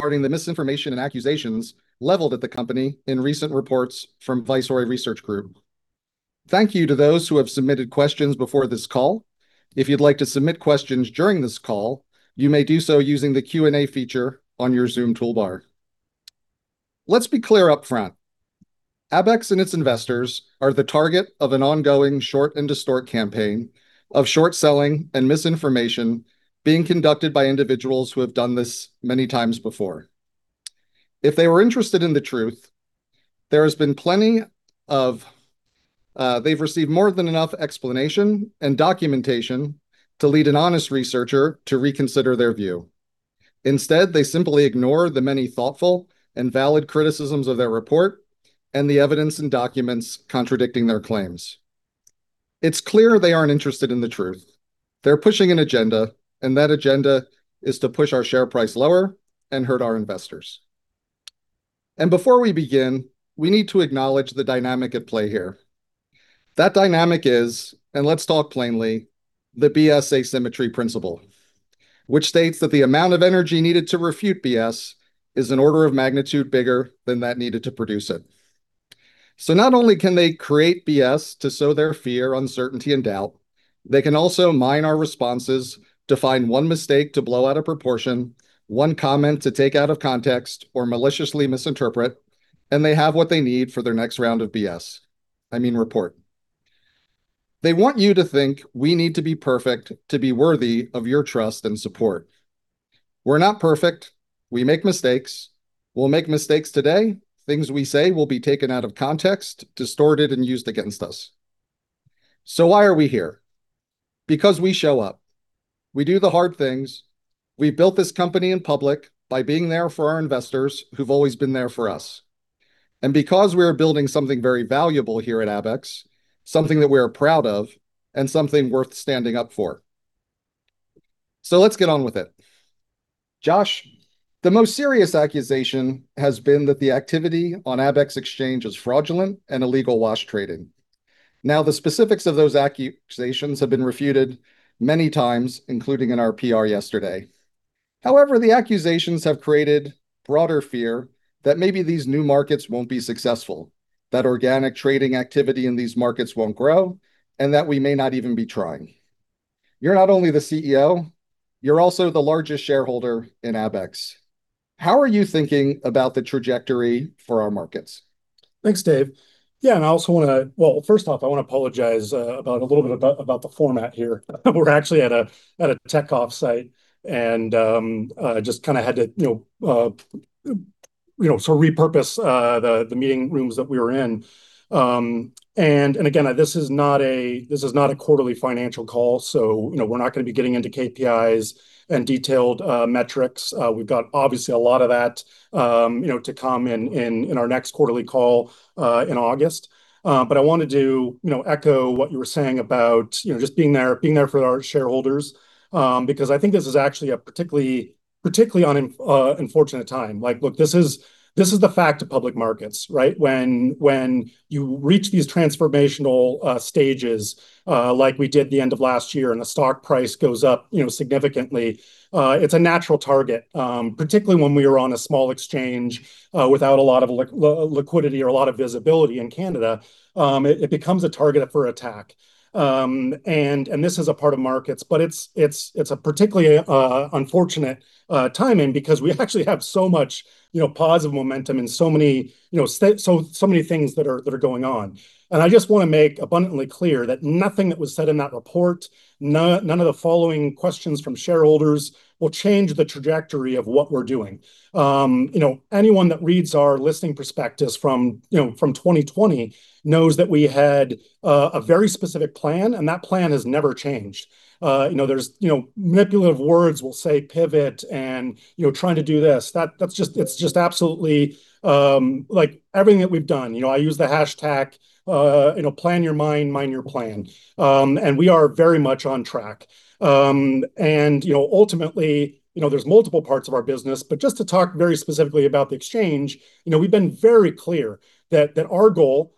Regarding the misinformation and accusations leveled at the company in recent reports from Viceroy Research. Thank you to those who have submitted questions before this call. If you'd like to submit questions during this call, you may do so using the Q&A feature on your Zoom toolbar. Let's be clear up front, Abaxx and its investors are the target of an ongoing short and distort campaign of short selling and misinformation being conducted by individuals who have done this many times before. If they were interested in the truth, they've received more than enough explanation and documentation to lead an honest researcher to reconsider their view. Instead, they simply ignore the many thoughtful and valid criticisms of their report and the evidence and documents contradicting their claims. It's clear they aren't interested in the truth. They're pushing an agenda, and that agenda is to push our share price lower and hurt our investors. Before we begin, we need to acknowledge the dynamic at play here. That dynamic is, and let's talk plainly, the BS asymmetry principle, which states that the amount of energy needed to refute BS is an order of magnitude bigger than that needed to produce it. Not only can they create BS to sow their fear, uncertainty, and doubt, they can also mine our responses to find one mistake to blow out of proportion, one comment to take out of context or maliciously misinterpret, and they have what they need for their next round of BS. I mean, report. They want you to think we need to be perfect to be worthy of your trust and support. We're not perfect. We make mistakes. We'll make mistakes today. Things we say will be taken out of context, distorted, and used against us. Why are we here? Because we show up. We do the hard things. We built this company in public by being there for our investors who've always been there for us. Because we are building something very valuable here at Abaxx, something that we are proud of, and something worth standing up for. Let's get on with it. Josh, the most serious accusation has been that the activity on Abaxx Exchange is fraudulent and illegal wash trading. Now, the specifics of those accusations have been refuted many times, including in our PR yesterday. However, the accusations have created broader fear that maybe these new markets won't be successful, that organic trading activity in these markets won't grow, and that we may not even be trying. You're not only the CEO, you're also the largest shareholder in Abaxx. How are you thinking about the trajectory for our markets? Thanks, Dave. Also, first off, I want to apologize a little bit about the format here. We're actually at a tech offsite, and just had to repurpose the meeting rooms that we were in. Again, this is not a quarterly financial call, so we're not going to be getting into KPIs and detailed metrics. We've got obviously a lot of that to come in our next quarterly call in August. I wanted to echo what you were saying about just being there for our shareholders, because I think this is actually a particularly unfortunate time. This is the fact of public markets, right? When you reach these transformational stages, like we did the end of last year, and the stock price goes up significantly, it's a natural target. Particularly when we are on a small exchange without a lot of liquidity or a lot of visibility in Canada, it becomes a target up for attack. This is a part of markets, but it's a particularly unfortunate timing because we actually have so much positive momentum and so many things that are going on. I just want to make abundantly clear that nothing that was said in that report, none of the following questions from shareholders will change the trajectory of what we're doing. Anyone that reads our listing prospectus from 2020 knows that we had a very specific plan, and that plan has never changed. Manipulative words will say pivot and trying to do this. Everything that we've done, I use the hashtag, plan your mind your plan. We are very much on track. Ultimately, there's multiple parts of our business. Just to talk very specifically about the exchange, we've been very clear that our goal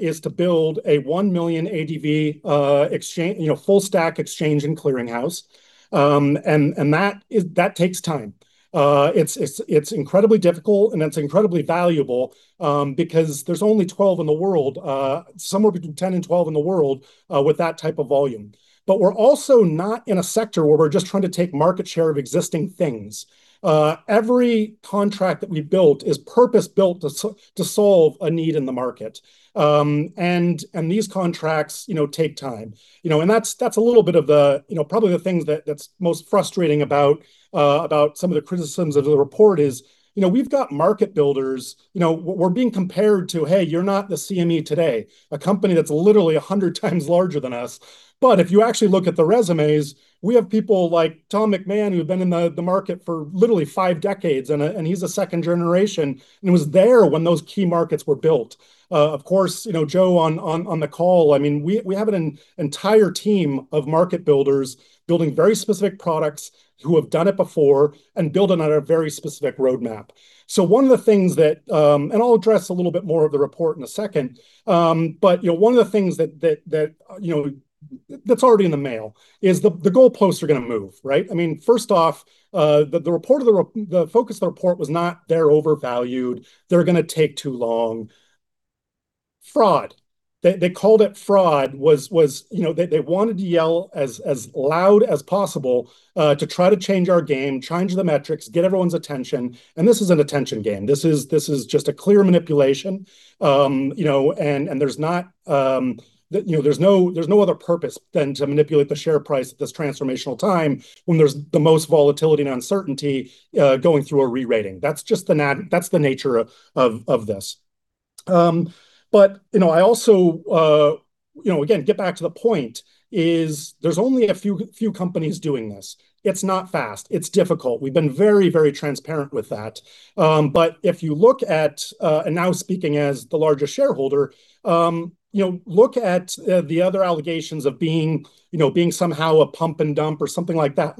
is to build a 1 million ADV full stack exchange and clearinghouse, and that takes time. It's incredibly difficult and it's incredibly valuable because there's only 12 in the world, somewhere between 10 and 12 in the world, with that type of volume. We're also not in a sector where we're just trying to take market share of existing things. Every contract that we've built is purpose-built to solve a need in the market. These contracts take time. That's a little bit of probably the things that's most frustrating about some of the criticisms of the report is we've got market builders. We're being compared to, hey, you're not the CME today, a company that's literally 100 times larger than us. If you actually look at the resumes, we have people like Thom McMahon, who've been in the market for literally five decades, and he's a second generation and was there when those key markets were built. Of course, Joe on the call, we have an entire team of market builders building very specific products who have done it before and building on a very specific roadmap. I'll address a little bit more of the report in a second. That's already in the mail, is the goalposts are going to move, right? First off, the focus of the report was not, "They're overvalued. They're going to take too long." Fraud. They called it fraud. They wanted to yell as loud as possible, to try to change our game, change the metrics, get everyone's attention. This is an attention game. This is just a clear manipulation. There's no other purpose than to manipulate the share price at this transformational time when there's the most volatility and uncertainty, going through a re-rating. That's the nature of this. I also, again, get back to the point, there's only a few companies doing this. It's not fast. It's difficult. We've been very, very transparent with that. If you look at, and now speaking as the largest shareholder, look at the other allegations of being somehow a pump and dump or something like that.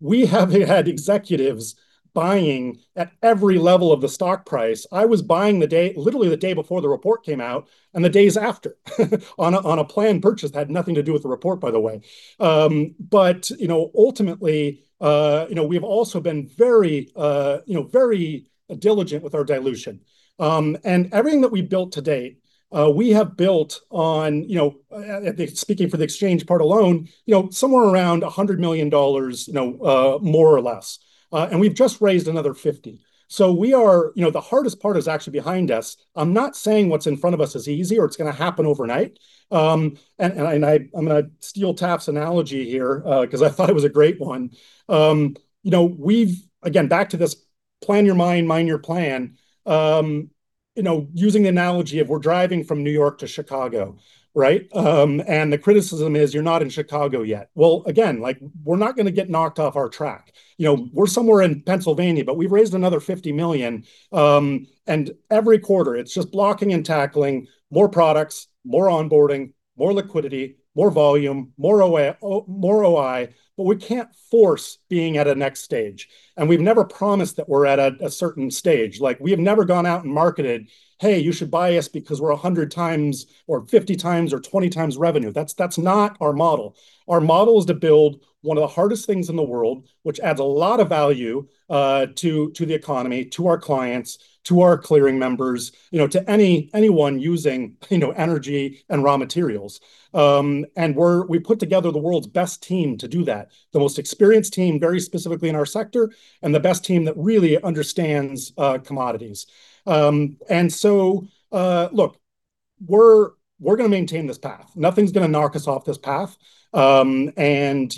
We have had executives buying at every level of the stock price. I was buying literally the day before the report came out, and the days after, on a planned purchase that had nothing to do with the report, by the way. Ultimately, we've also been very diligent with our dilution. Everything that we've built to date, we have built on, speaking for the exchange part alone, somewhere around 100 million dollars, more or less. We've just raised another 50 million. The hardest part is actually behind us. I'm not saying what's in front of us is easy or it's going to happen overnight. I'm going to steal Taf's analogy here, because I thought it was a great one. Again, back to this plan your mind your plan. Using the analogy of we're driving from New York to Chicago, right? The criticism is you're not in Chicago yet. Again, we're not going to get knocked off our track. We're somewhere in Pennsylvania, we've raised another 50 million. Every quarter, it's just blocking and tackling, more products, more onboarding, more liquidity, more volume, more OI. We can't force being at a next stage, and we've never promised that we're at a certain stage. We have never gone out and marketed, "Hey, you should buy us because we're 100x or 50x or 20x revenue." That's not our model. Our model is to build one of the hardest things in the world, which adds a lot of value to the economy, to our clients, to our clearing members, to anyone using energy and raw materials. We put together the world's best team to do that, the most experienced team, very specifically in our sector, and the best team that really understands commodities. We're going to maintain this path. Nothing's going to knock us off this path. We can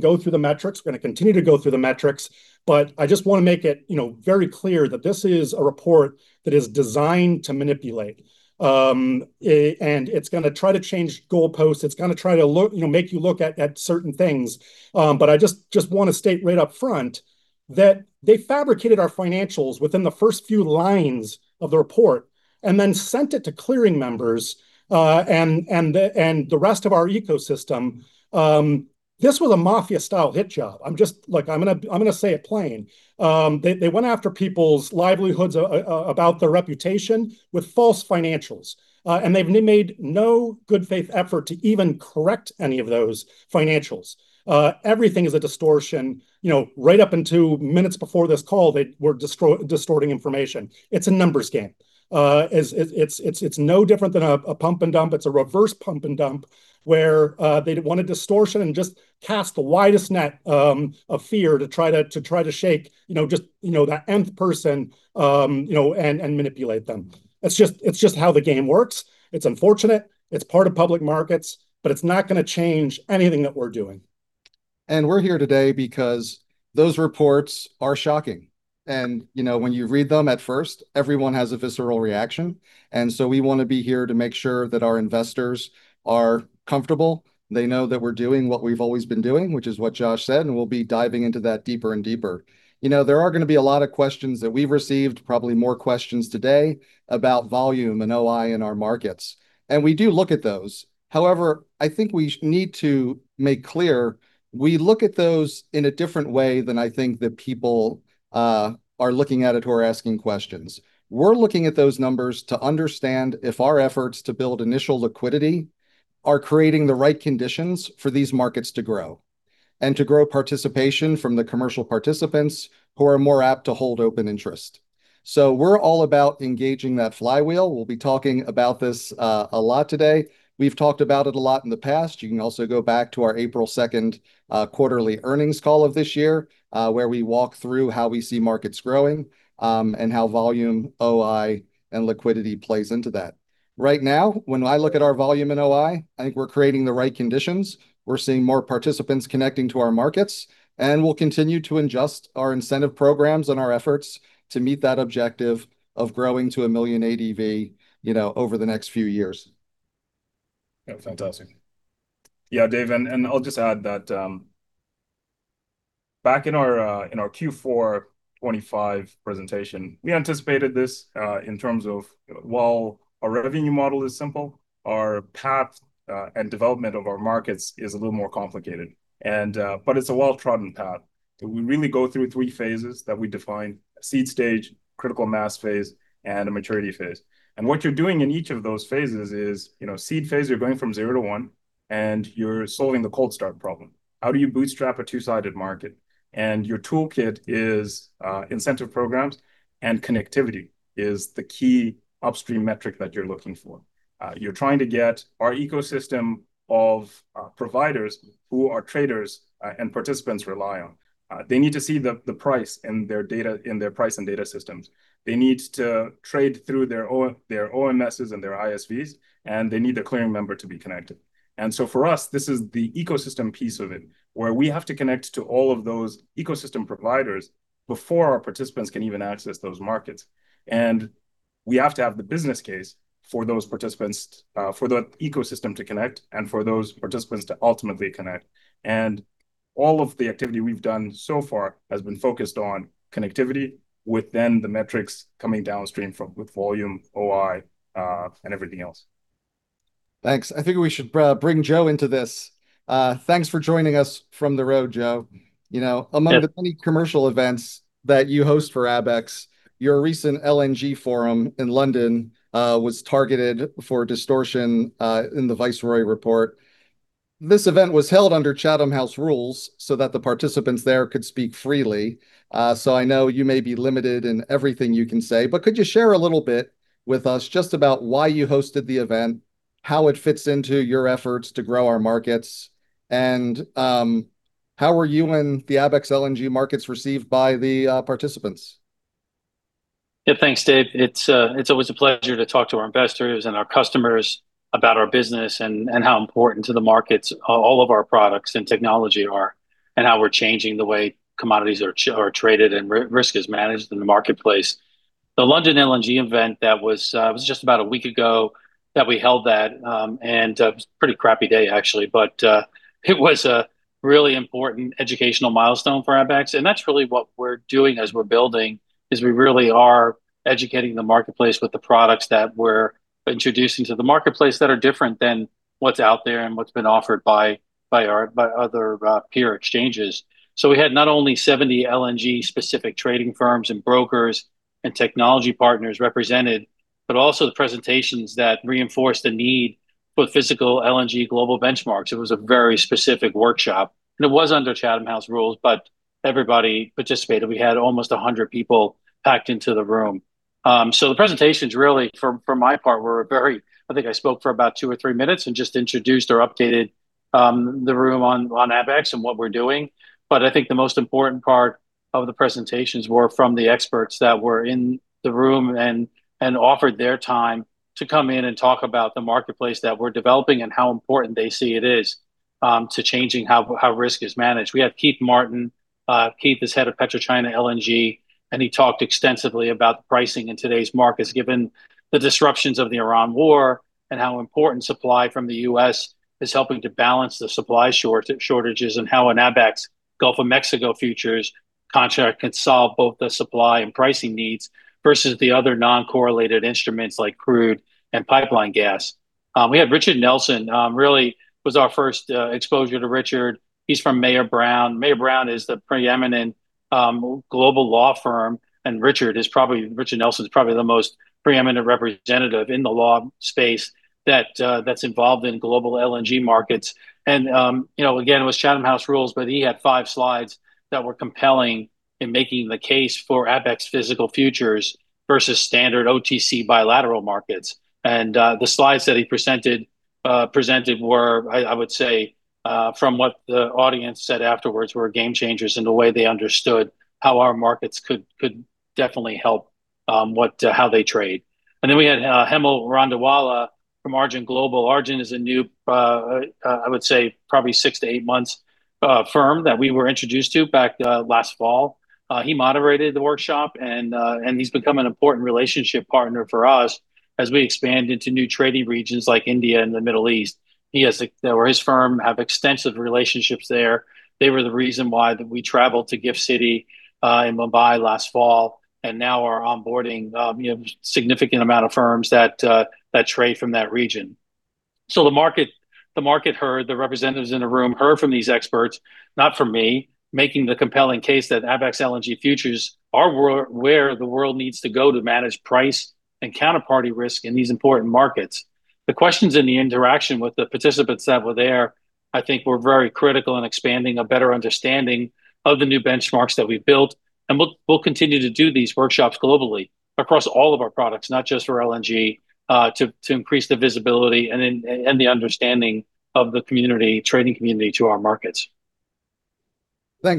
go through the metrics. We're going to continue to go through the metrics. I just want to make it very clear that this is a report that is designed to manipulate. It's going to try to change goalposts. It's going to try to make you look at certain things. I just want to state right up front that they fabricated our financials within the first few lines of the report and then sent it to clearing members, and the rest of our ecosystem. This was a mafia-style hit job. I'm going to say it plain. They went after people's livelihoods, about their reputation with false financials. They've made no good faith effort to even correct any of those financials. Everything is a distortion. Right up until minutes before this call, they were distorting information. It's a numbers game. It's no different than a pump and dump. It's a reverse pump and dump where they want a distortion and just cast the widest net of fear to try to shake that nth person, and manipulate them. It's just how the game works. It's unfortunate. It's part of public markets, but it's not going to change anything that we're doing. We're here today because those reports are shocking and when you read them at first, everyone has a visceral reaction. We want to be here to make sure that our investors are comfortable. They know that we're doing what we've always been doing, which is what Josh said, and we'll be diving into that deeper and deeper. There are going to be a lot of questions that we've received, probably more questions today, about volume and OI in our markets. We do look at those. However, I think we need to make clear, we look at those in a different way than I think that people are looking at it who are asking questions. We're looking at those numbers to understand if our efforts to build initial liquidity are creating the right conditions for these markets to grow, and to grow participation from the commercial participants who are more apt to hold open interest. We're all about engaging that flywheel. We'll be talking about this a lot today. We've talked about it a lot in the past. You can also go back to our April 2nd quarterly earnings call of this year, where we walk through how we see markets growing, and how volume, OI, and liquidity plays into that. Right now, when I look at our volume in OI, I think we're creating the right conditions. We're seeing more participants connecting to our markets, and we'll continue to adjust our incentive programs and our efforts to meet that objective of growing to 1 million ADV over the next few years. Yeah. Fantastic. Dave, I'll just add that back in our Q4 2025 presentation, we anticipated this in terms of while our revenue model is simple, our path and development of our markets is a little more complicated. It's a well-trodden path. We really go through three phases that we define: a seed stage, critical mass phase, and a maturity phase. What you're doing in each of those phases is, seed phase, you're going from zero to one and you're solving the cold start problem. How do you bootstrap a two-sided market? Your toolkit is incentive programs and connectivity is the key upstream metric that you're looking for. You're trying to get our ecosystem of providers who are traders and participants rely on. They need to see the price in their price and data systems. They need to trade through their OMSs and their ISVs, and they need the clearing member to be connected. For us, this is the ecosystem piece of it, where we have to connect to all of those ecosystem providers before our participants can even access those markets. We have to have the business case for the ecosystem to connect and for those participants to ultimately connect. All of the activity we've done so far has been focused on connectivity within the metrics coming downstream from with volume, OI, and everything else. Thanks. I think we should bring Joe into this. Thanks for joining us from the road, Joe. Yeah. Among the many commercial events that you host for Abaxx, your recent LNG forum in London was targeted for distortion in the Viceroy report. This event was held under Chatham House rules so that the participants there could speak freely. I know you may be limited in everything you can say, but could you share a little bit with us just about why you hosted the event, how it fits into your efforts to grow our markets, and how were you and the Abaxx LNG markets received by the participants? Yeah. Thanks, Dave. It's always a pleasure to talk to our investors and our customers about our business and how important to the markets all of our products and technology are, and how we're changing the way commodities are traded and risk is managed in the marketplace. The London LNG event that was just about a week ago that we held that, and it was a pretty crappy day, actually, but it was a really important educational milestone for Abaxx. That's really what we're doing as we're building, is we really are educating the marketplace with the products that we're introducing to the marketplace that are different than what's out there and what's been offered by other peer exchanges. We had not only 70 LNG-specific trading firms and brokers and technology partners represented, but also the presentations that reinforced the need for physical LNG global benchmarks. It was a very specific workshop, and it was under Chatham House rules, but everybody participated. We had almost 100 people packed into the room. The presentations really, from my part, were very. I think I spoke for about two or three minutes and just introduced or updated the room on Abaxx and what we are doing. But I think the most important part of the presentations were from the experts that were in the room and offered their time to come in and talk about the marketplace that we are developing and how important they see it is to changing how risk is managed. We had Keith Martin. Keith is Head of PetroChina LNG, and he talked extensively about pricing in today's markets, given the disruptions of the Iran war and how important supply from the U.S. is helping to balance the supply shortages, and how an Abaxx Gulf of Mexico futures contract could solve both the supply and pricing needs versus the other non-correlated instruments like crude and pipeline gas. We had Richard Nelson, really was our first exposure to Richard. He is from Mayer Brown. Mayer Brown is the preeminent global law firm, and Richard Nelson is probably the most preeminent representative in the law space that is involved in global LNG markets. Again, it was Chatham House rules, but he had five slides that were compelling in making the case for Abaxx physical futures versus standard OTC bilateral markets. The slides that he presented were, I would say, from what the audience said afterwards, were game changers in the way they understood how our markets could definitely help how they trade. Then we had Hemal Randerwala from Arjun Global. Arjun is a new, I would say probably six to eight months, firm that we were introduced to back last fall. He moderated the workshop and he has become an important relationship partner for us as we expand into new trading regions like India and the Middle East. He or his firm have extensive relationships there. They were the reason why we traveled to Gift City, in Mumbai last fall and now are onboarding significant amount of firms that trade from that region. The market heard, the representatives in the room heard from these experts, not from me, making the compelling case that Abaxx LNG futures are where the world needs to go to manage price and counterparty risk in these important markets. The questions and the interaction with the participants that were there, I think were very critical in expanding a better understanding of the new benchmarks that we have built, and we will continue to do these workshops globally across all of our products, not just for LNG, to increase the visibility and the understanding of the trading community to our markets. I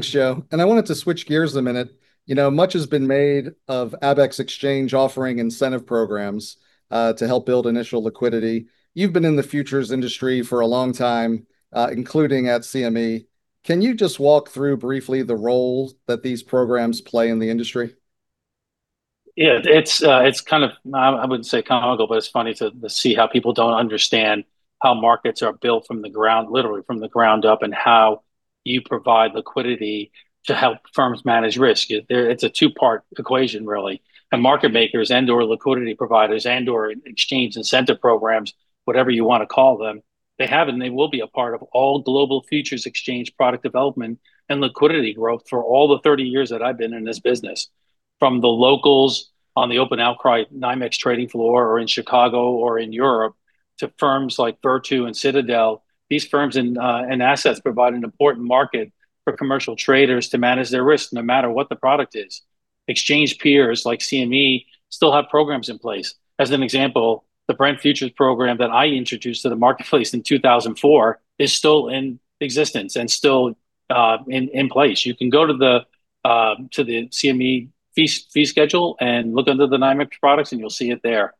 wanted to switch gears a minute. Much has been made of Abaxx Exchange offering incentive programs, to help build initial liquidity. You've been in the futures industry for a long time, including at CME. Can you just walk through briefly the role that these programs play in the industry? Yeah. It's kind of, I wouldn't say comical, but it's funny to see how people don't understand how markets are built literally from the ground up and how you provide liquidity to help firms manage risk. It's a two-part equation, really. Market makers and/or liquidity providers and/or exchange incentive programs, whatever you want to call them, they have and they will be a part of all global futures exchange product development and liquidity growth for all the 30 years that I've been in this business. From the locals on the open outcry NYMEX trading floor or in Chicago or in Europe to firms like Virtu and Citadel. These firms and assets provide an important market for commercial traders to manage their risk no matter what the product is. Exchange peers like CME still have programs in place. As an example, the Brent futures program that I introduced to the marketplace in 2004 is still in existence and still in place. You can go to the CME fee schedule and look under the NYMEX products and you'll see it there.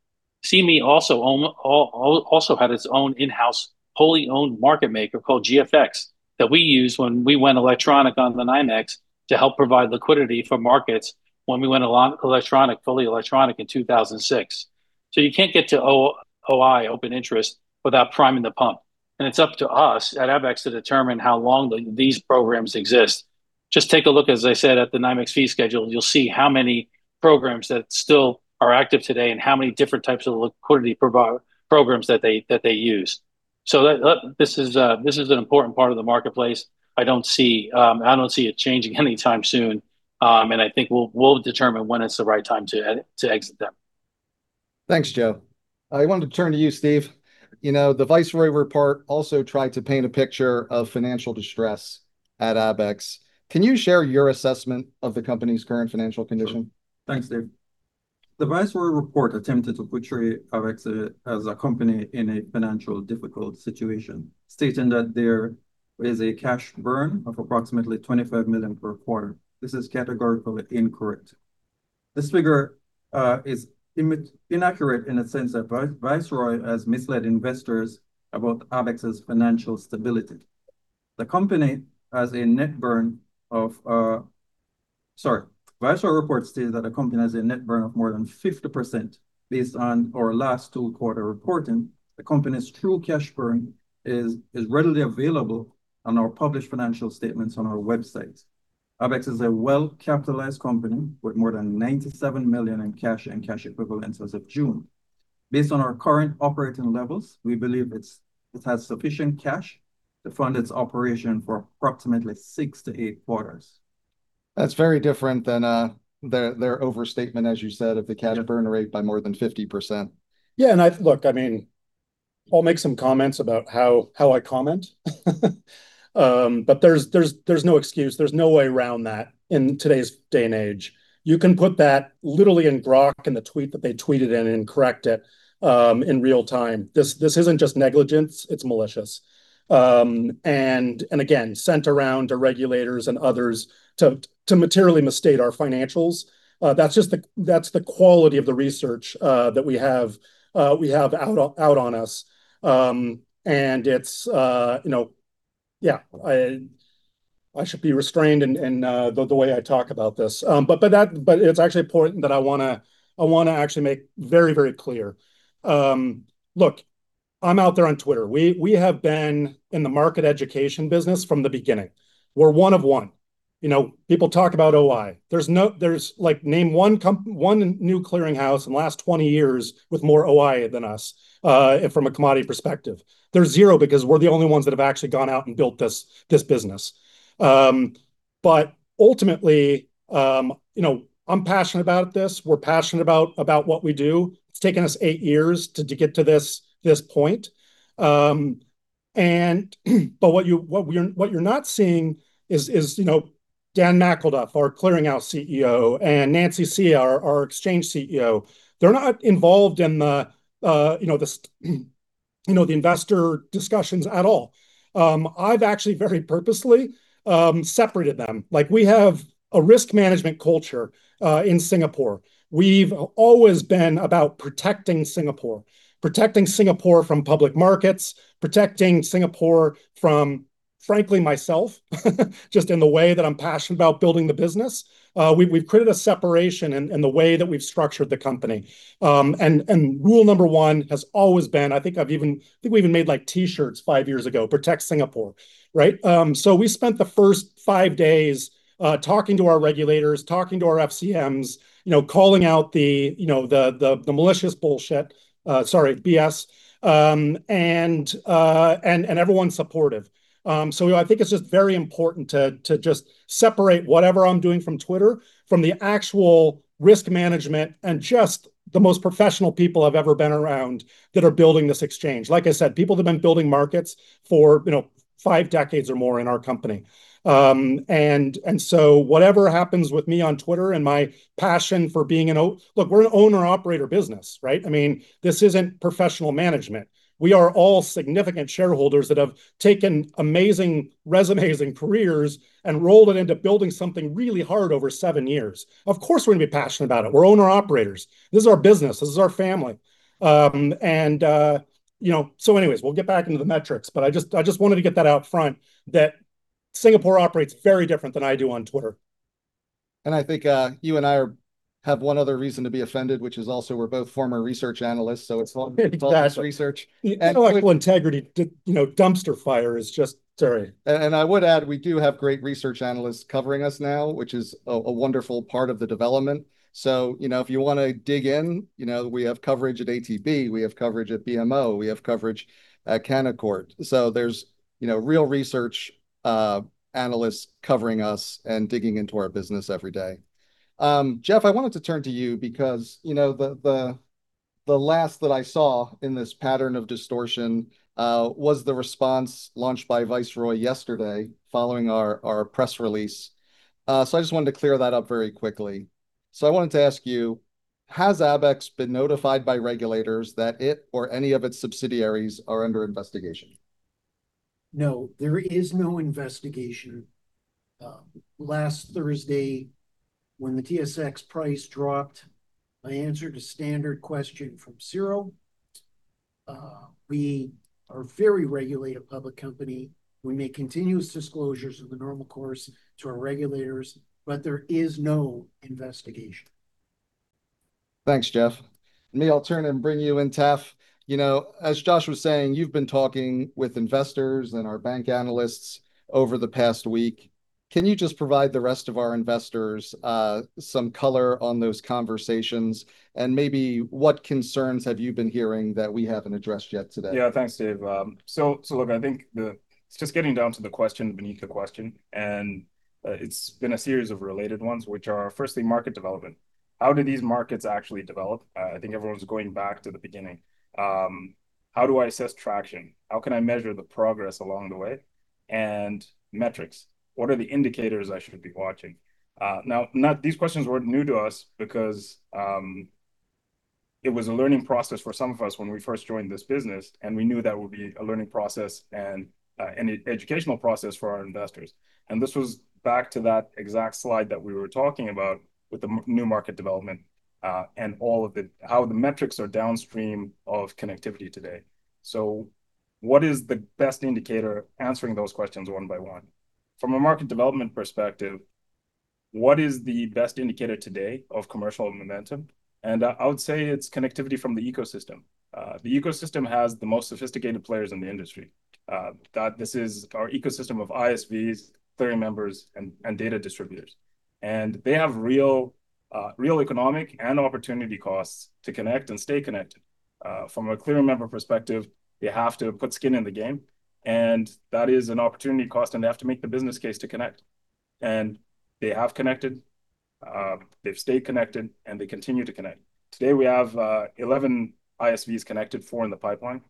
CME also had its own in-house wholly-owned market maker called GFX that we used when we went electronic on the NYMEX to help provide liquidity for markets when we went fully electronic in 2006. You can't get to OI, open interest, without priming the pump. It's up to us at Abaxx to determine how long these programs exist. Just take a look, as I said, at the NYMEX fee schedule, and you'll see how many programs that still are active today and how many different types of liquidity programs that they use. This is an important part of the marketplace. I don't see it changing anytime soon. I think we'll determine when it's the right time to exit them. Thanks, Joe. I wanted to turn to you, Steve. The Viceroy Report also tried to paint a picture of financial distress at Abaxx. Can you share your assessment of the company's current financial condition? Thanks, Dave. The Viceroy Report attempted to portray Abaxx as a company in a financially difficult situation, stating that there is a cash burn of approximately 25 million per quarter. This is categorically incorrect. This figure is inaccurate in the sense that Viceroy has misled investors about Abaxx's financial stability. The Viceroy Report states that the company has a net burn of more than 50%, based on our last two quarter reporting. The company's true cash burn is readily available on our published financial statements on our website. Abaxx is a well-capitalized company with more than 97 million in cash and cash equivalents as of June. Based on our current operating levels, we believe it has sufficient cash to fund its operation for approximately six to eight quarters. That's very different than their overstatement, as you said, of the cash burn rate by more than 50%. Yeah, look, I'll make some comments about how I comment. There's no excuse. There's no way around that in today's day and age. You can put that literally in Grok in the tweet that they tweeted and it correct it in real time. This isn't just negligence, it's malicious. Again, sent around to regulators and others to materially misstate our financials. That's the quality of the research that we have out on us. I should be restrained in the way I talk about this. It's actually important that I want to actually make very clear. Look, I'm out there on Twitter. We have been in the market education business from the beginning. We're one of one. People talk about OI. Name one new clearinghouse in the last 20 years with more OI than us from a commodity perspective. There's zero because we're the only ones that have actually gone out and built this business. Ultimately, I'm passionate about this. We're passionate about what we do. It's taken us eight years to get to this point. What you're not seeing is Dan McElduff, our Clearinghouse CEO, and Nancy Seah, our Exchange CEO. They're not involved in the investor discussions at all. I've actually very purposely separated them. We have a risk management culture in Singapore. We've always been about protecting Singapore. Protecting Singapore from public markets. Protecting Singapore from, frankly, myself just in the way that I'm passionate about building the business. We've created a separation in the way that we've structured the company. Rule number one has always been, I think we even made T-shirts five years ago, "Protect Singapore," right? We spent the first five days talking to our regulators, talking to our FCMs, calling out the malicious bullshit. Sorry, BS. Everyone's supportive. I think it's just very important to just separate whatever I'm doing from Twitter from the actual risk management and just the most professional people I've ever been around that are building this Exchange. Like I said, people that have been building markets for five decades or more in our company. Whatever happens with me on Twitter and my passion for being an-- Look, we're an owner-operator business, right? This isn't professional management. We are all significant shareholders that have taken amazing resumes and careers and rolled it into building something really hard over seven years. Of course, we're going to be passionate about it. We're owner-operators. This is our business. This is our family. Anyways, we'll get back into the metrics, I just wanted to get that out front that Singapore operates very different than I do on Twitter. I think you and I have one other reason to be offended, which is also we're both former research analysts, it's all- Exactly. Involved with research. Intellectual integrity. I would add, we do have great research analysts covering us now, which is a wonderful part of the development. If you want to dig in, we have coverage at ATB, we have coverage at BMO, we have coverage at Canaccord. There's real research analysts covering us and digging into our business every day. Jeff, I wanted to turn to you because the last that I saw in this pattern of distortion was the response launched by Viceroy yesterday following our press release. I just wanted to clear that up very quickly. I wanted to ask you, has Abaxx been notified by regulators that it or any of its subsidiaries are under investigation? No. There is no investigation. Last Thursday, when the TSX price dropped, I answered a standard question from CIRO. We are a very regulated public company. We make continuous disclosures in the normal course to our regulators, there is no investigation. Thanks, Jeff. Maybe I'll turn and bring you in, Taf. As Josh was saying, you've been talking with investors and our bank analysts over the past week. Can you just provide the rest of our investors some color on those conversations, and maybe what concerns have you been hearing that we haven't addressed yet today? Yeah. Thanks, Dave. Look, I think it's just getting down to the question beneath the question, and it's been a series of related ones, which are, firstly, market development. How do these markets actually develop? I think everyone's going back to the beginning. How do I assess traction? How can I measure the progress along the way? Metrics, what are the indicators I should be watching? Now, these questions weren't new to us because it was a learning process for some of us when we first joined this business, and we knew that it would be a learning process and an educational process for our investors. This was back to that exact slide that we were talking about with the new market development, and how the metrics are downstream of connectivity today. What is the best indicator answering those questions one by one? From a market development perspective, what is the best indicator today of commercial momentum? I would say it's connectivity from the ecosystem. The ecosystem has the most sophisticated players in the industry. That this is our ecosystem of ISVs, clearing members, and data distributors. They have real economic and opportunity costs to connect and stay connected. From a clearing member perspective, you have to put skin in the game, and that is an opportunity cost, and they have to make the business case to connect. They have connected, they've stayed connected, and they continue to connect. Today, we have 11 ISVs connected, four in the pipeline.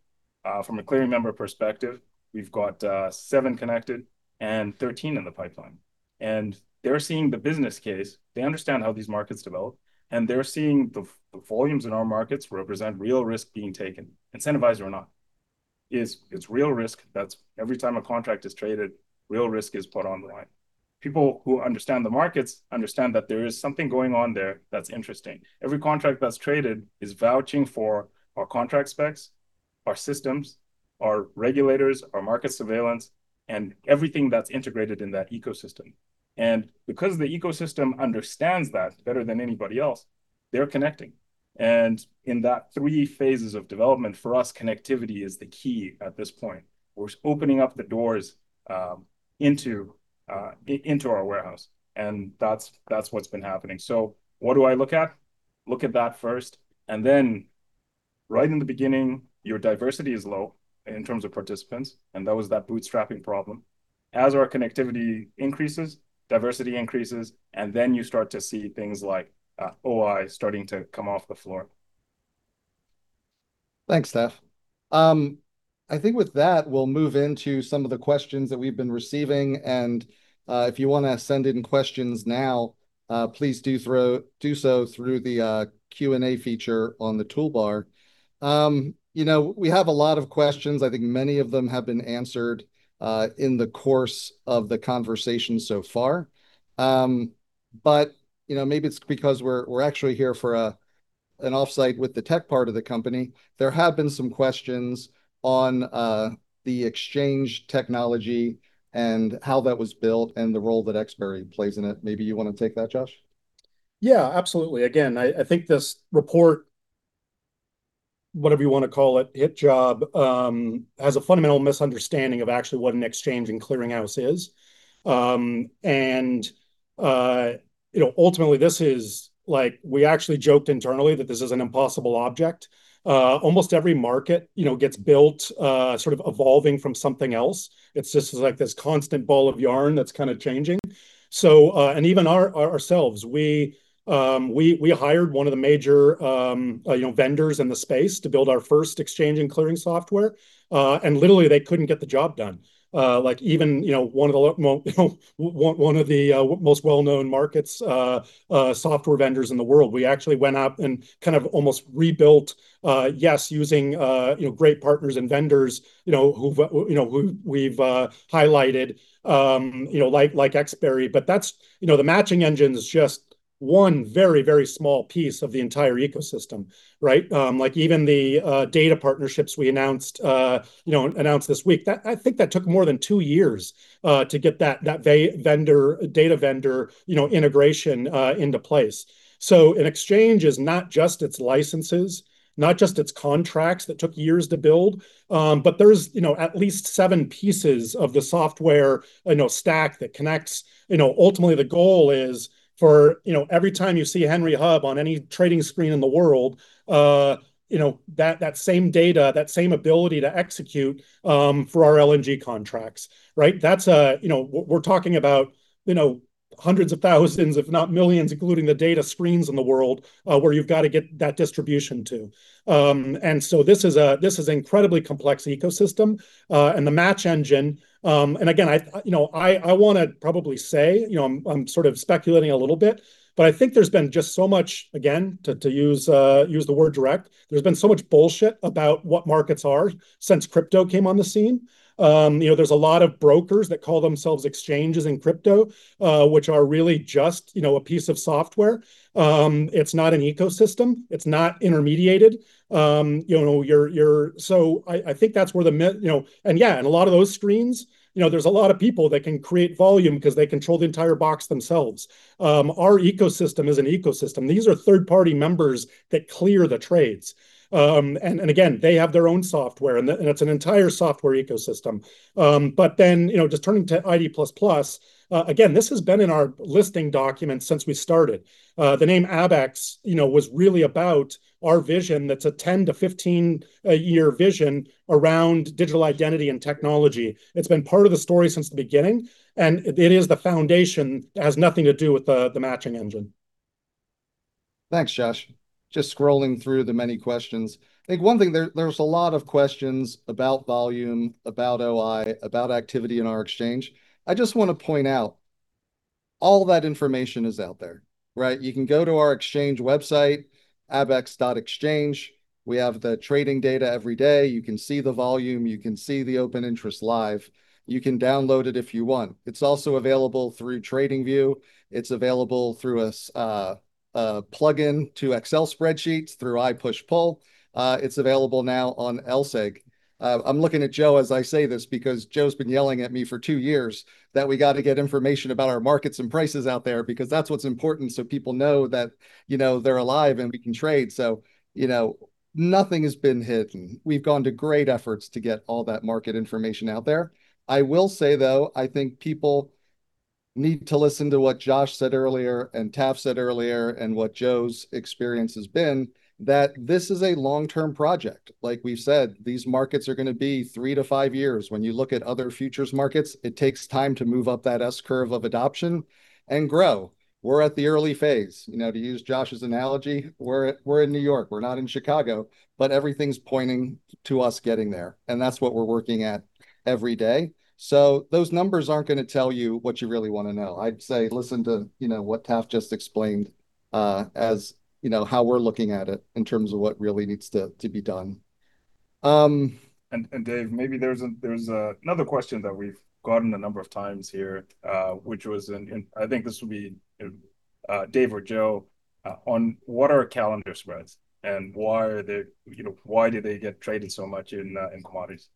From a clearing member perspective, we've got seven connected and 13 in the pipeline. They're seeing the business case, they understand how these markets develop, and they're seeing the volumes in our markets represent real risk being taken, incentivized or not. It's real risk that every time a contract is traded, real risk is put on the line. People who understand the markets understand that there is something going on there that's interesting. Every contract that's traded is vouching for our contract specs, our systems, our regulators, our market surveillance, and everything that's integrated in that ecosystem. Because the ecosystem understands that better than anybody else, they're connecting. In that three phases of development, for us, connectivity is the key at this point. We're opening up the doors into our warehouse, and that's what's been happening. What do I look at? Look at that first. Right in the beginning, your diversity is low in terms of participants. That was that bootstrapping problem. As our connectivity increases, diversity increases. You start to see things like OI starting to come off the floor. Thanks, Taf. I think with that, we'll move into some of the questions that we've been receiving. If you want to send in questions now, please do so through the Q&A feature on the toolbar. We have a lot of questions. I think many of them have been answered in the course of the conversation so far. Maybe it's because we're actually here for an offsite with the tech part of the company. There have been some questions on the exchange technology and how that was built and the role that Exberry plays in it. Maybe you want to take that, Josh? Yeah, absolutely. Again, I think this report, whatever you want to call it, hit job, has a fundamental misunderstanding of actually what an exchange and clearinghouse is. Ultimately, this is like we actually joked internally that this is an impossible object. Almost every market gets built sort of evolving from something else. It's just this constant ball of yarn that's kind of changing. Even ourselves, we hired one of the major vendors in the space to build our first exchange and clearing software, and literally they couldn't get the job done. Like even one of the most well-known markets software vendors in the world. We actually went out and kind of almost rebuilt, yes, using great partners and vendors who we've highlighted, like Exberry. The matching engine's just one very, very small piece of the entire ecosystem, right? Like even the data partnerships we announced this week. I think that took more than two years to get that data vendor integration into place. An exchange is not just its licenses, not just its contracts that took years to build, but there's at least seven pieces of the software stack that connects. Ultimately, the goal is for every time you see Henry Hub on any trading screen in the world, that same data, that same ability to execute for our LNG contracts, right? We're talking about hundreds of thousands, if not millions, including the data screens in the world, where you've got to get that distribution to. This is an incredibly complex ecosystem. The match engine, again, I want to probably say, I'm sort of speculating a little bit, but I think there's been just so much, again, to use the word direct, there's been so much bullshit about what markets are since crypto came on the scene. There's a lot of brokers that call themselves exchanges in crypto, which are really just a piece of software. It's not an ecosystem. It's not intermediated. I think that's where the. Yeah, in a lot of those screens, there's a lot of people that can create volume because they control the entire box themselves. Our ecosystem is an ecosystem. These are third-party members that clear the trades. Again, they have their own software, and it's an entire software ecosystem. Just turning to ID++, again, this has been in our listing documents since we started. The name Abaxx was really about our vision that's a 10-15-year vision around digital identity and technology. It's been part of the story since the beginning, and it is the foundation. It has nothing to do with the matching engine. Thanks, Josh. Just scrolling through the many questions. I think one thing, there's a lot of questions about volume, about OI, about activity in our exchange. I just want to point out all that information is out there. You can go to our exchange website, abaxx.exchange. We have the trading data every day. You can see the volume. You can see the open interest live. You can download it if you want. It's also available through TradingView. It's available through a plugin to Excel spreadsheets through ipushpull. It's available now on LSEG. I'm looking at Joe as I say this because Joe's been yelling at me for two years that we got to get information about our markets and prices out there because that's what's important so people know that they're alive and we can trade. Nothing has been hidden. We've gone to great efforts to get all that market information out there. I will say, though, I think people need to listen to what Josh said earlier and Taf said earlier and what Joe's experience has been, that this is a long-term project. Like we've said, these markets are going to be three to five years. When you look at other futures markets, it takes time to move up that S-curve of adoption and grow. We're at the early phase. To use Josh's analogy, we're in New York. We're not in Chicago, but everything's pointing to us getting there, and that's what we're working at every day. Those numbers aren't going to tell you what you really want to know. I'd say listen to what Taf just explained, as how we're looking at it in terms of what really needs to be done. Dave, maybe there's another question that we've gotten a number of times here, which was, I think this would be Dave or Joe, on what are calendar spreads and why do they get traded so much in commodities?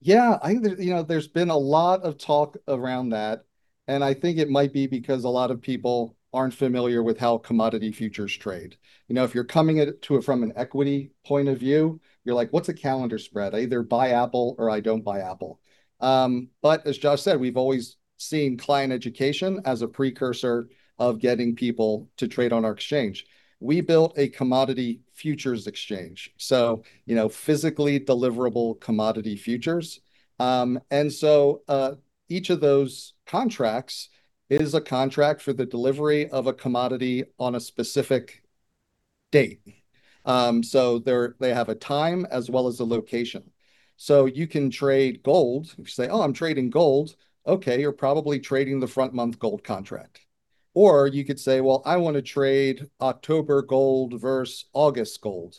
Yeah. I think there's been a lot of talk around that, I think it might be because a lot of people aren't familiar with how commodity futures trade. If you're coming at it from an equity point of view, you're like, "What's a calendar spread? I either buy Apple or I don't buy Apple." As Josh said, we've always seen client education as a precursor of getting people to trade on our exchange. We built a commodity futures exchange, so physically deliverable commodity futures. Each of those contracts is a contract for the delivery of a commodity on a specific date. They have a time as well as a location. You can trade gold. If you say, "Oh, I'm trading gold," okay, you're probably trading the front-month gold contract. You could say, "Well, I want to trade October gold versus August gold,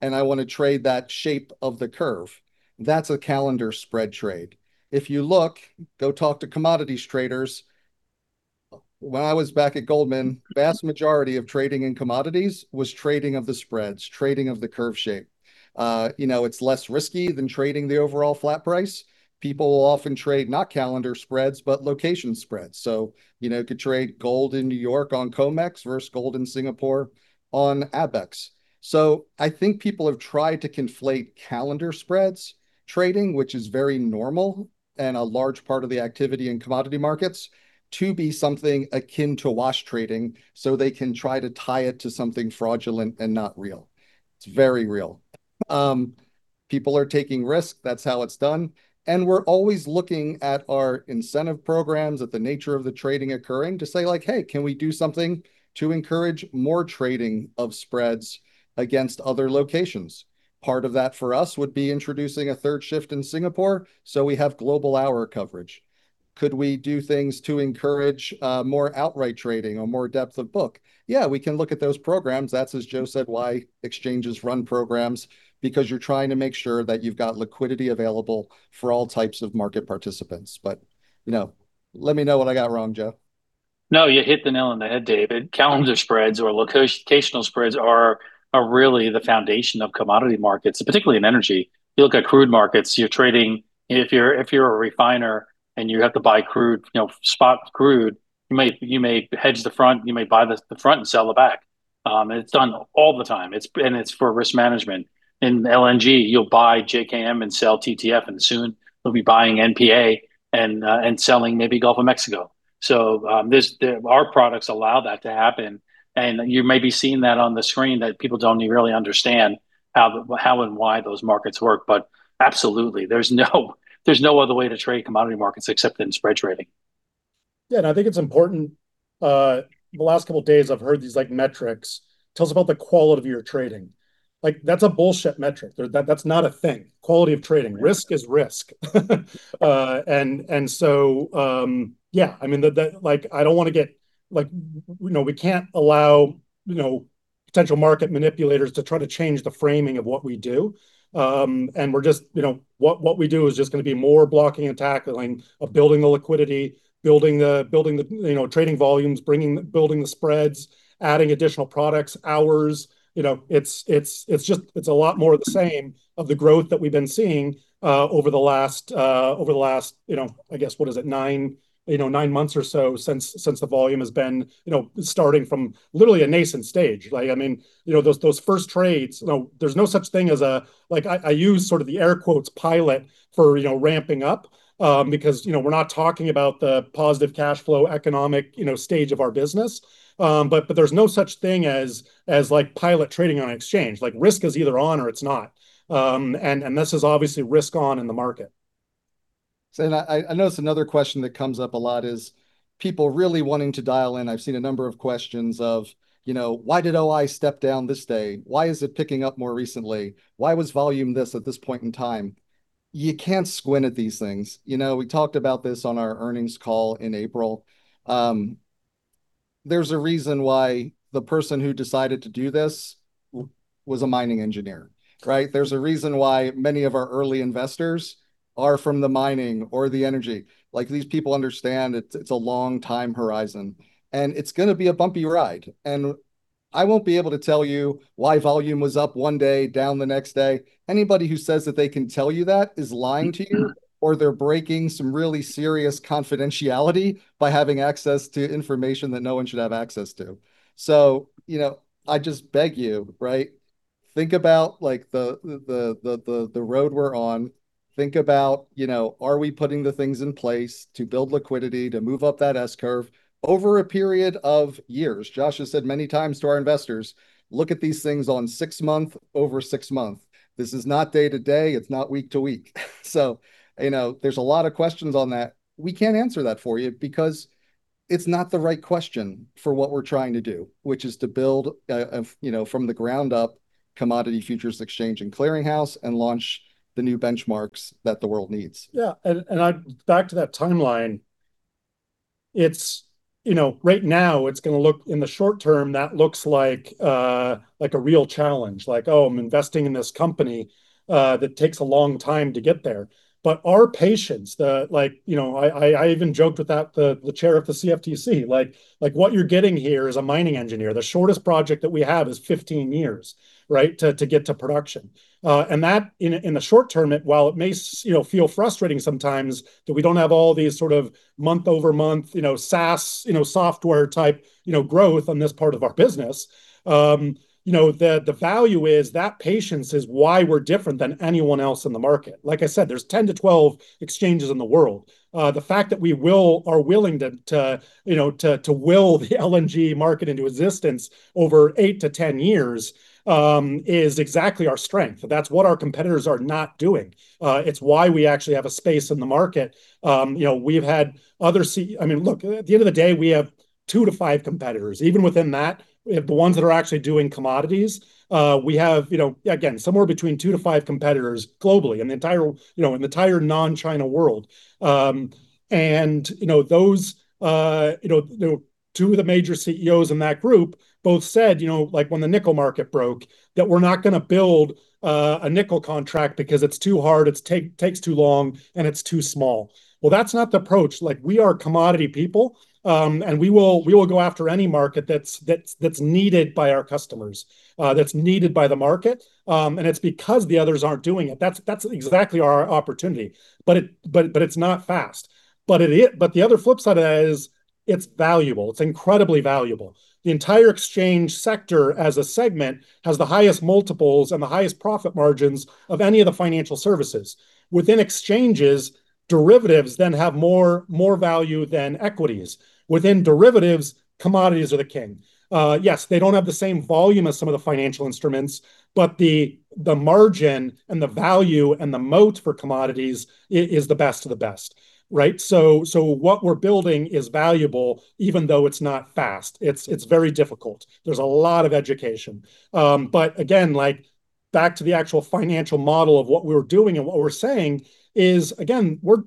I want to trade that shape of the curve." That's a calendar spread trade. If you look, go talk to commodities traders. When I was back at Goldman, vast majority of trading in commodities was trading of the spreads, trading of the curve shape. It's less risky than trading the overall flat price. People will often trade not calendar spreads, but location spreads. You could trade gold in New York on COMEX versus gold in Singapore on Abaxx. I think people have tried to conflate calendar spreads trading, which is very normal and a large part of the activity in commodity markets, to be something akin to wash trading so they can try to tie it to something fraudulent and not real. It's very real. People are taking risks. That's how it's done. We're always looking at our incentive programs, at the nature of the trading occurring to say, "Hey, can we do something to encourage more trading of spreads against other locations?" Part of that for us would be introducing a third shift in Singapore so we have global hour coverage. Could we do things to encourage more outright trading or more depth of book? Yeah, we can look at those programs. That's, as Joe said, why exchanges run programs, because you're trying to make sure that you've got liquidity available for all types of market participants. Let me know what I got wrong, Joe. No, you hit the nail on the head, David. Calendar spreads or locational spreads are really the foundation of commodity markets, particularly in energy. If you look at crude markets, you're trading, if you're a refiner and you have to buy crude, spot crude, you may hedge the front, you may buy the front and sell the back. It's done all the time. It's for risk management. In LNG, you'll buy JKM and sell TTF, and soon you'll be buying NPA and selling maybe Gulf of Mexico. Our products allow that to happen, and you may be seeing that on the screen that people don't really understand how and why those markets work. Absolutely, there's no other way to trade commodity markets except in spread trading. Yeah, I think it's important. The last couple of days I've heard these metrics. Tell us about the quality of your trading. That's a bullshit metric. That's not a thing. Quality of trading. Risk is risk. Yeah, I don't want to get We can't allow potential market manipulators to try to change the framing of what we do. What we do is just going to be more blocking and tackling, of building the liquidity, building the trading volumes, building the spreads, adding additional products, hours. It's a lot more of the same of the growth that we've been seeing over the last, I guess, what is it? nine months or so since the volume has been starting from literally a nascent stage. Those first trades, there's no such thing as a, I use sort of the air quotes, "pilot" for ramping up, because we're not talking about the positive cash flow economic stage of our business. There's no such thing as pilot trading on an exchange. Risk is either on or it's not. This is obviously risk on in the market. I notice another question that comes up a lot is people really wanting to dial in. I've seen a number of questions of, "Why did OI step down this day? Why is it picking up more recently? Why was volume this at this point in time?" You can't squint at these things. We talked about this on our earnings call in April. There's a reason why the person who decided to do this was a mining engineer, right? There's a reason why many of our early investors are from the mining or the energy. These people understand it's a long time horizon, and it's going to be a bumpy ride. I won't be able to tell you why volume was up one day, down the next day. Anybody who says that they can tell you that is lying to you, or they're breaking some really serious confidentiality by having access to information that no one should have access to. I just beg you, right? Think about the road we're on. Think about are we putting the things in place to build liquidity, to move up that S-curve over a period of years? Josh has said many times to our investors, "Look at these things on six-month, over six-month." This is not day-to-day, it's not week-to-week. There's a lot of questions on that. We can't answer that for you because it's not the right question for what we're trying to do, which is to build a, from the ground up, commodity futures exchange and clearinghouse, and launch the new benchmarks that the world needs. Back to that timeline. Right now, in the short term, that looks like a real challenge. Like, "Oh, I'm investing in this company that takes a long time to get there." Our patience, I even joked with the Chair of the CFTC, what you're getting here is a mining engineer. The shortest project that we have is 15 years, right? To get to production. That, in the short term, while it may feel frustrating sometimes that we don't have all these sort of month-over-month SaaS, software type growth on this part of our business. The value is, that patience is why we're different than anyone else in the market. Like I said, there's 10-12 exchanges in the world. The fact that we are willing to will the LNG market into existence over 8-10 years, is exactly our strength. That's what our competitors are not doing. It's why we actually have a space in the market. At the end of the day, we have two to five competitors. Even within that, the ones that are actually doing commodities, we have, again, somewhere between two to five competitors globally, in the entire non-China world. Two of the major CEOs in that group both said, like when the nickel market broke, that we're not going to build a nickel contract because it's too hard, it takes too long, and it's too small. That's not the approach. We are commodity people, and we will go after any market that's needed by our customers, that's needed by the market. It's because the others aren't doing it. That's exactly our opportunity. It's not fast. The other flip side of that is it's valuable. It's incredibly valuable. The entire exchange sector as a segment has the highest multiples and the highest profit margins of any of the financial services. Within exchanges, derivatives then have more value than equities. Within derivatives, commodities are the king. Yes, they don't have the same volume as some of the financial instruments, but the margin and the value and the moat for commodities is the best of the best, right? What we're building is valuable, even though it's not fast. It's very difficult. There's a lot of education. Again, back to the actual financial model of what we're doing and what we're saying is, again, we're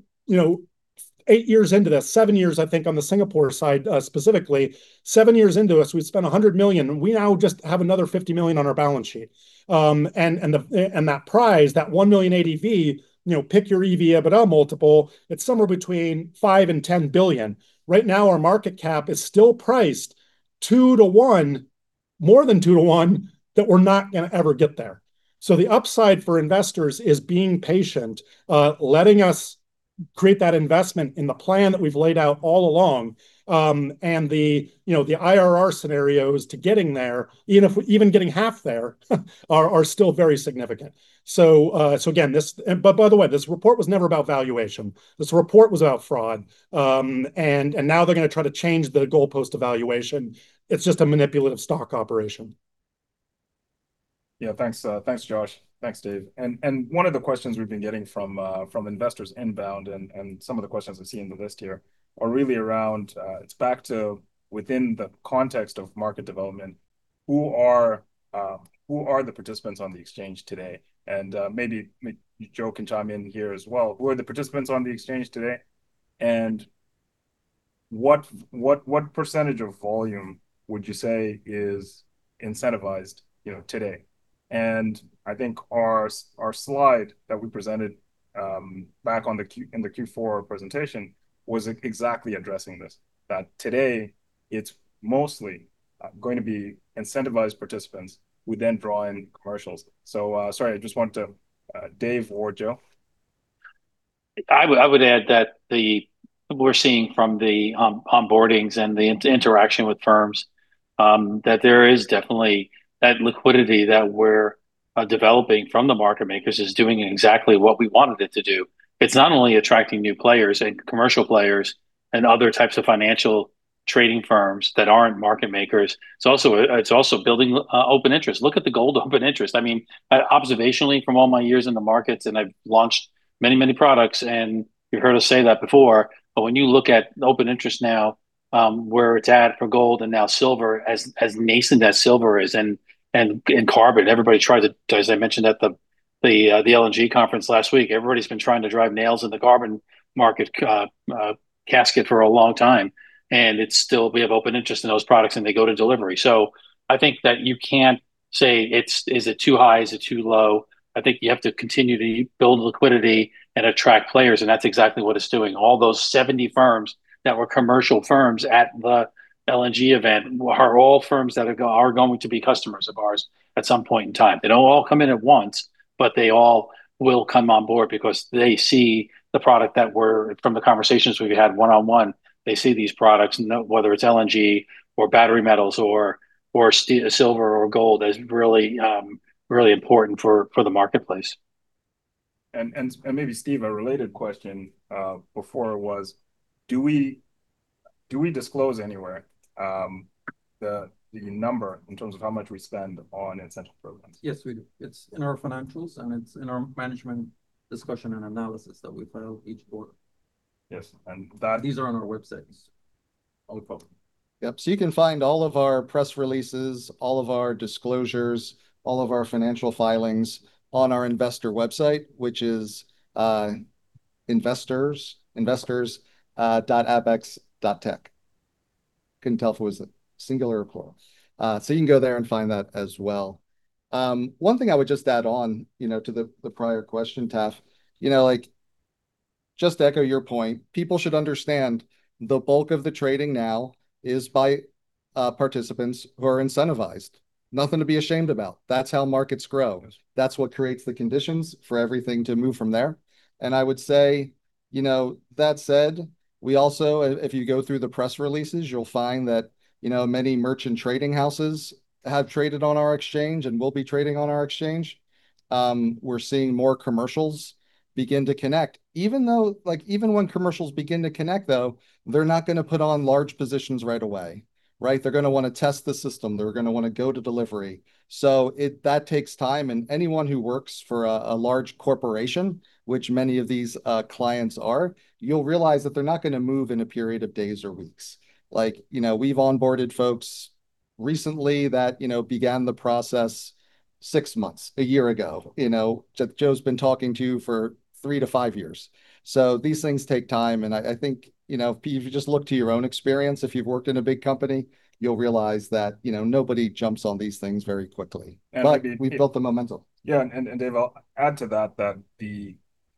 eight years into this. Seven years, I think, on the Singapore side, specifically. Seven years into this, we've spent 100 million, and we now just have another 50 million on our balance sheet. That prize, that 1 million ADV, pick your EV/EBITDA multiple, it's somewhere between 5 billion and 10 billion. Right now, our market cap is still priced 2:1, more than 2:1, that we're not going to ever get there. The upside for investors is being patient, letting us create that investment in the plan that we've laid out all along. The IRR scenarios to getting there, even getting half there, are still very significant. By the way, this report was never about valuation. This report was about fraud. Now they're going to try to change the goalpost valuation. It's just a manipulative stock operation. Yeah. Thanks, Josh. Thanks, Dave. One of the questions we've been getting from investors inbound, and some of the questions I see in the list here are really around, it's back to within the context of market development, who are the participants on the Abaxx Exchange today? Maybe Joe can chime in here as well. Who are the participants on the Abaxx Exchange today, and what percentage of volume would you say is incentivized today? I think our slide that we presented back in the Q4 presentation was exactly addressing this, that today it's mostly going to be incentivized participants who then draw in commercials. Sorry, I just wanted to, Dave or Joe. I would add that we're seeing from the onboardings and the interaction with firms, that there is definitely that liquidity that we're developing from the market-makers is doing exactly what we wanted it to do. It's not only attracting new players and commercial players and other types of financial trading firms that aren't market makers, it's also building open interest. Look at the gold open interest. Observationally, from all my years in the markets, I've launched many, many products, you heard us say that before, when you look at open interest now, where it's at for gold and now silver, as nascent as silver is, carbon, everybody tries to, as I mentioned at the LNG conference last week, everybody's been trying to drive nails in the carbon market casket for a long time, it's still we have open interest in those products, and they go to delivery. I think that you can't say, "Is it too high? Is it too low?" I think you have to continue to build liquidity and attract players, and that's exactly what it's doing. All those 70 firms that were commercial firms at the LNG event are all firms that are going to be customers of ours at some point in time. They don't all come in at once, but they all will come on board because they see the product that were from the conversations we've had one-on-one, they see these products, whether it's LNG or battery metals or silver or gold, as really important for the marketplace. Maybe Steve, a related question before was, do we disclose anywhere the number in terms of how much we spend on incentive programs? Yes, we do. It's in our financials, and it's in our management discussion and analysis that we file each quarter. Yes. These are on our websites. Okay. Yep. You can find all of our press releases, all of our disclosures, all of our financial filings on our investor website, which is investors.abaxx.tech. Couldn't tell if it was singular or plural. You can go there and find that as well. One thing I would just add on to the prior question, Taf, just to echo your point, people should understand the bulk of the trading now is by participants who are incentivized. Nothing to be ashamed about. That's how markets grow. That's what creates the conditions for everything to move from there. I would say, that said, we also, if you go through the press releases, you'll find that many merchant trading houses have traded on our exchange and will be trading on our exchange. We're seeing more commercials begin to connect. Even when commercials begin to connect, though, they're not going to put on large positions right away. Right? They're going to want to test the system. They're going to want to go to delivery. That takes time, and anyone who works for a large corporation, which many of these clients are, you'll realize that they're not going to move in a period of days or weeks. We've onboarded folks recently that began the process six months, a year ago, that Joe's been talking to for three to five years. These things take time, and I think if you just look to your own experience, if you've worked in a big company, you'll realize that nobody jumps on these things very quickly. We've built the momentum. Yeah. Dave, I'll add to that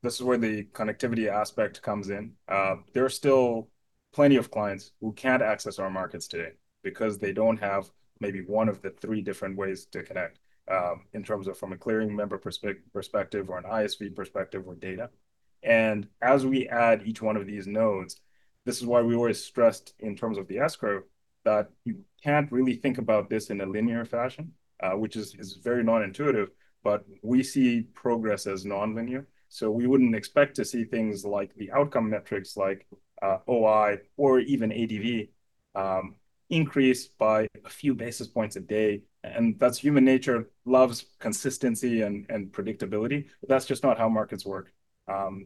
this is where the connectivity aspect comes in. There are still plenty of clients who can't access our markets today because they don't have maybe one of the three different ways to connect, in terms of from a clearing member perspective or an ISV perspective or data. As we add each one of these nodes, this is why we always stressed in terms of the S-curve, that you can't really think about this in a linear fashion, which is very non-intuitive, but we see progress as non-linear. We wouldn't expect to see things like the outcome metrics like OI or even ADV increase by a few basis points a day, and that's human nature. Human nature loves consistency and predictability, but that's just not how markets work.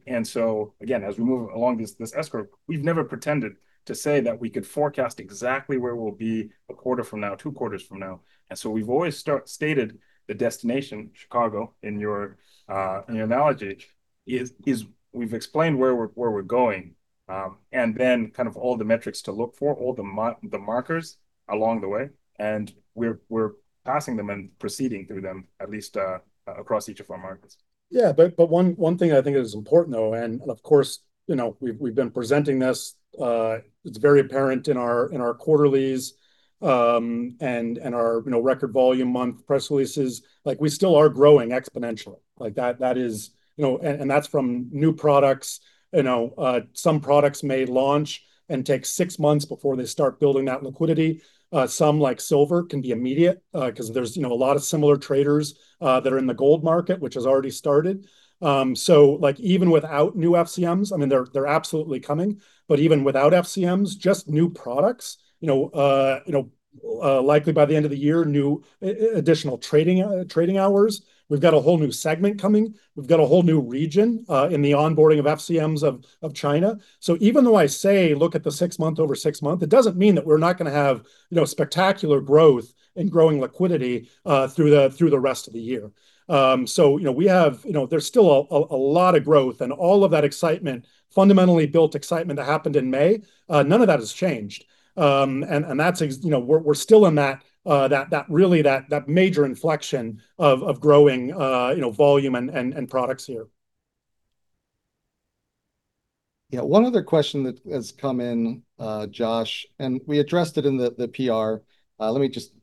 Again, as we move along this S-curve, we've never pretended to say that we could forecast exactly where we'll be a quarter from now, two quarters from now. We've always stated the destination, Chicago, in your analogy, is we've explained where we're going, and then kind of all the metrics to look for, all the markers along the way, and we're passing them and proceeding through them, at least across each of our markets. Yeah. One thing I think is important, though, and of course, we've been presenting this. It's very apparent in our quarterlies, and our record volume month press releases. We still are growing exponentially. That's from new products. Some products may launch and take six months before they start building that liquidity. Some, like silver, can be immediate, because there's a lot of similar traders that are in the gold market, which has already started. So even without new FCMs, I mean, they're absolutely coming, but even without FCMs, just new products, you know. Likely by the end of the year, new additional trading hours. We've got a whole new segment coming. We've got a whole new region, in the onboarding of FCMs of China. Even though I say look at the six month over six month, it doesn't mean that we're not gonna have, you know, spectacular growth and growing liquidity, through the rest of the year. So, you know, we have You know, there's still a lot of growth and all of that excitement, fundamentally built excitement that happened in May, none of that has changed. And that's, you know, we're still in that really major inflection of growing, you know, volume and products here. Yeah. One other question that has come in, Josh, and we addressed it in the PR. Let me just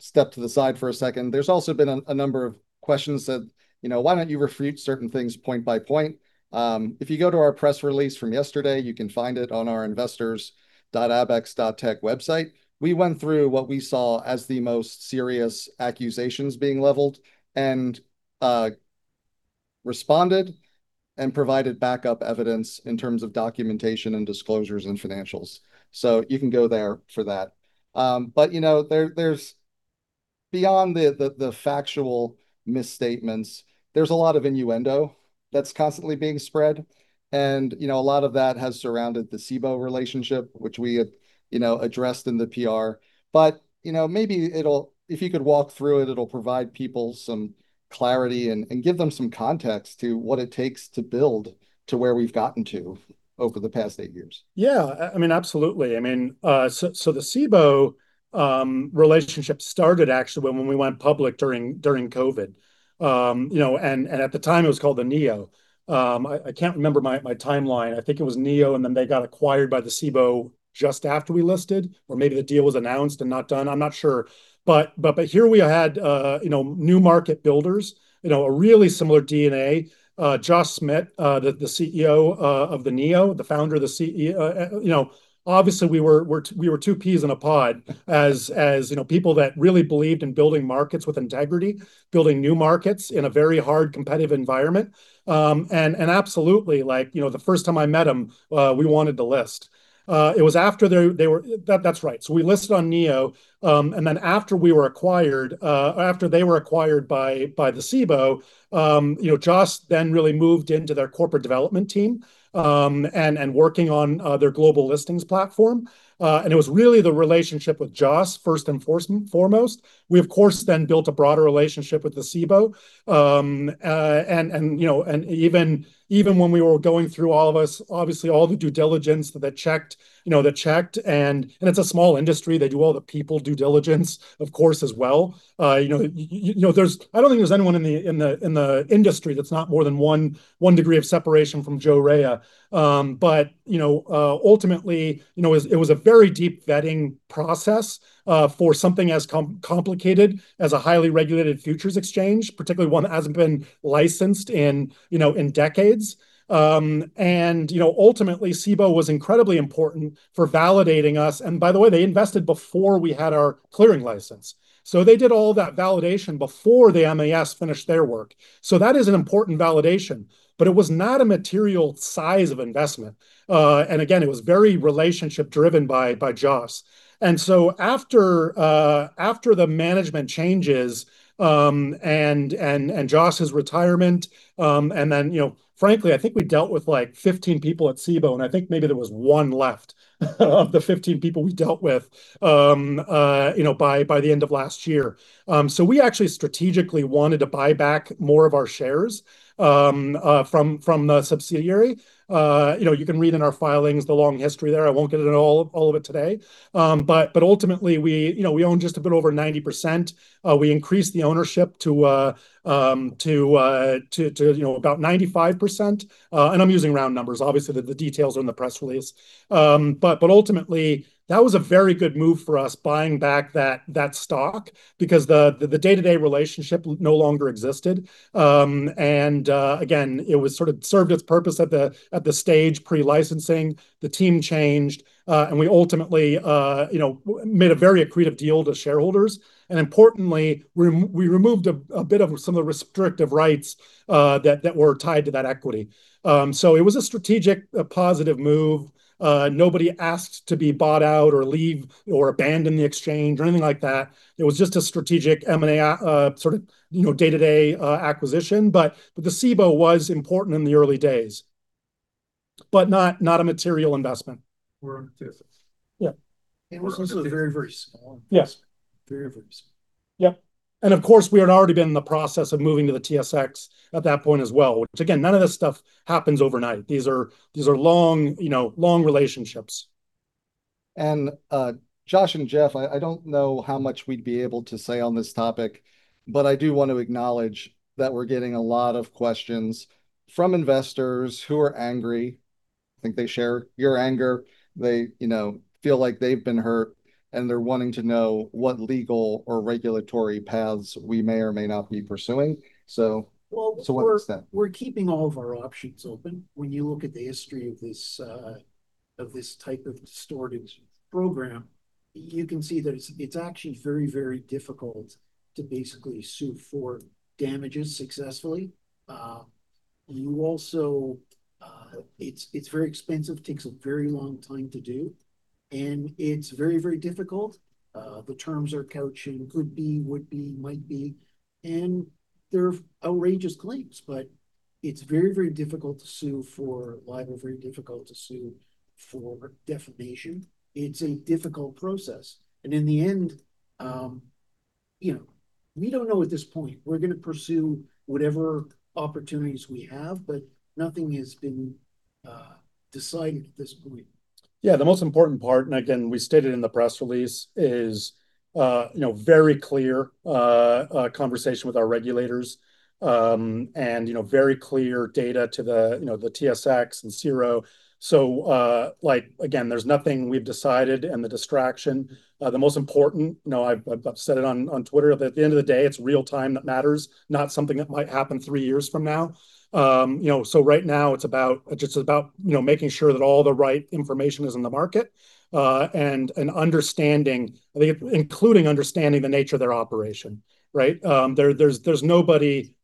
step to the side for a second. There's also been a number of questions that, you know, why don't you refute certain things point by point. If you go to our press release from yesterday, you can find it on our investors.abaxx.tech website. We went through what we saw as the most serious accusations being leveled, and responded and provided backup evidence in terms of documentation and disclosures and financials. So you can go there for that. But you know, there's Beyond the factual misstatements, there's a lot of innuendo that's constantly being spread and, you know, a lot of that has surrounded the Cboe relationship, which we have, you know, addressed in the PR. You know, maybe it'll if you could walk through it'll provide people some clarity and give them some context to what it takes to build to where we've gotten to over the past eight years. Yeah. I mean, absolutely. I mean, so the Cboe relationship started actually when we went public during COVID. you know, at the time it was called the NEO. I can't remember my timeline. I think it was NEO, and then they got acquired by the Cboe just after we listed, or maybe the deal was announced and not done, I'm not sure. Here we had, you know, new market builders, you know, a really similar DNA. Jos Schmitt, the CEO of the NEO, the Founder, the CEO, you know, obviously we were two peas in a pod as, you know, people that really believed in building markets with integrity, building new markets in a very hard, competitive environment. And absolutely, like, you know, the first time I met him, we wanted to list. It was after they were. That's right. We listed on NEO, and then after we were acquired, after they were acquired by the Cboe, you know, Jos then really moved into their corporate development team, and working on their global listings platform. It was really the relationship with Jos first and foremost. We of course then built a broader relationship with the Cboe. and, you know, even when we were going through all of us, obviously all the due diligence that checked, you know, that checked and it's a small industry. They do all the people due diligence, of course, as well. You know, you know, there's I don't think there's anyone in the industry that's not more than one degree of separation from Joe Raia. you know, ultimately, you know, it was a very deep vetting process for something as complicated as a highly regulated futures exchange, particularly one that hasn't been licensed in, you know, in decades. and, you know, ultimately Cboe was incredibly important for validating us. By the way, they invested before we had our clearing license. They did all that validation before the MAS finished their work. That is an important validation. It was not a material size of investment. Again, it was very relationship driven by Jos. After the management changes, and Jos's retirement, and then, you know, frankly I think we dealt with like 15 people at Cboe, and I think maybe there was one left of the 15 people we dealt with, you know, by the end of last year. We actually strategically wanted to buy back more of our shares from the subsidiary. You know, you can read in our filings the long history there. I won't get into all of it today. Ultimately we, you know, we own just a bit over 90%. We increased the ownership to about 95%. I'm using round numbers, obviously the details are in the press release. Ultimately that was a very good move for us, buying back that stock because the day-to-day relationship no longer existed. Again, it was sort of served its purpose at the stage pre-licensing. The team changed, and we ultimately, you know, made a very accretive deal to shareholders, and importantly we removed a bit of some of the restrictive rights that were tied to that equity. It was a strategic positive move. Nobody asked to be bought out or leave or abandon the exchange or anything like that. It was just a strategic M&A, sort of, you know, day-to-day acquisition. The Cboe was important in the early days, but not a material investment. On TSX. Yeah. It was also a very small investment. Yes. Very, very small. Yep. Of course, we had already been in the process of moving to the TSX at that point as well, which again, none of this stuff happens overnight. These are long, you know, long relationships. Josh and Jeff, I don't know how much we'd be able to say on this topic, but I do want to acknowledge that we're getting a lot of questions from investors who are angry. I think they share your anger. They, you know, feel like they've been hurt, and they're wanting to know what legal or regulatory paths we may or may not be pursuing. Well. What's the step? We're keeping all of our options open. When you look at the history of this, of this type of distortion program, you can see that it's actually very, very difficult to basically sue for damages successfully. It's very expensive, takes a very long time to do, and it's very difficult. The terms are couched in could be, would be, might be, and they're outrageous claims, but it's very difficult to sue for libel, very difficult to sue for defamation. It's a difficult process. In the end, we don't know at this point. We're going to pursue whatever opportunities we have, nothing has been decided at this point. Yeah. The most important part, again, we stated in the press release, is very clear conversation with our regulators, and very clear data to the TSX and CIRO. Again, there's nothing we've decided. The distraction. The most important, I've said it on Twitter, that at the end of the day, it's real-time that matters, not something that might happen three years from now. Right now it's about just making sure that all the right information is in the market, and an understanding, I think, including understanding the nature of their operation. Right? There's nobody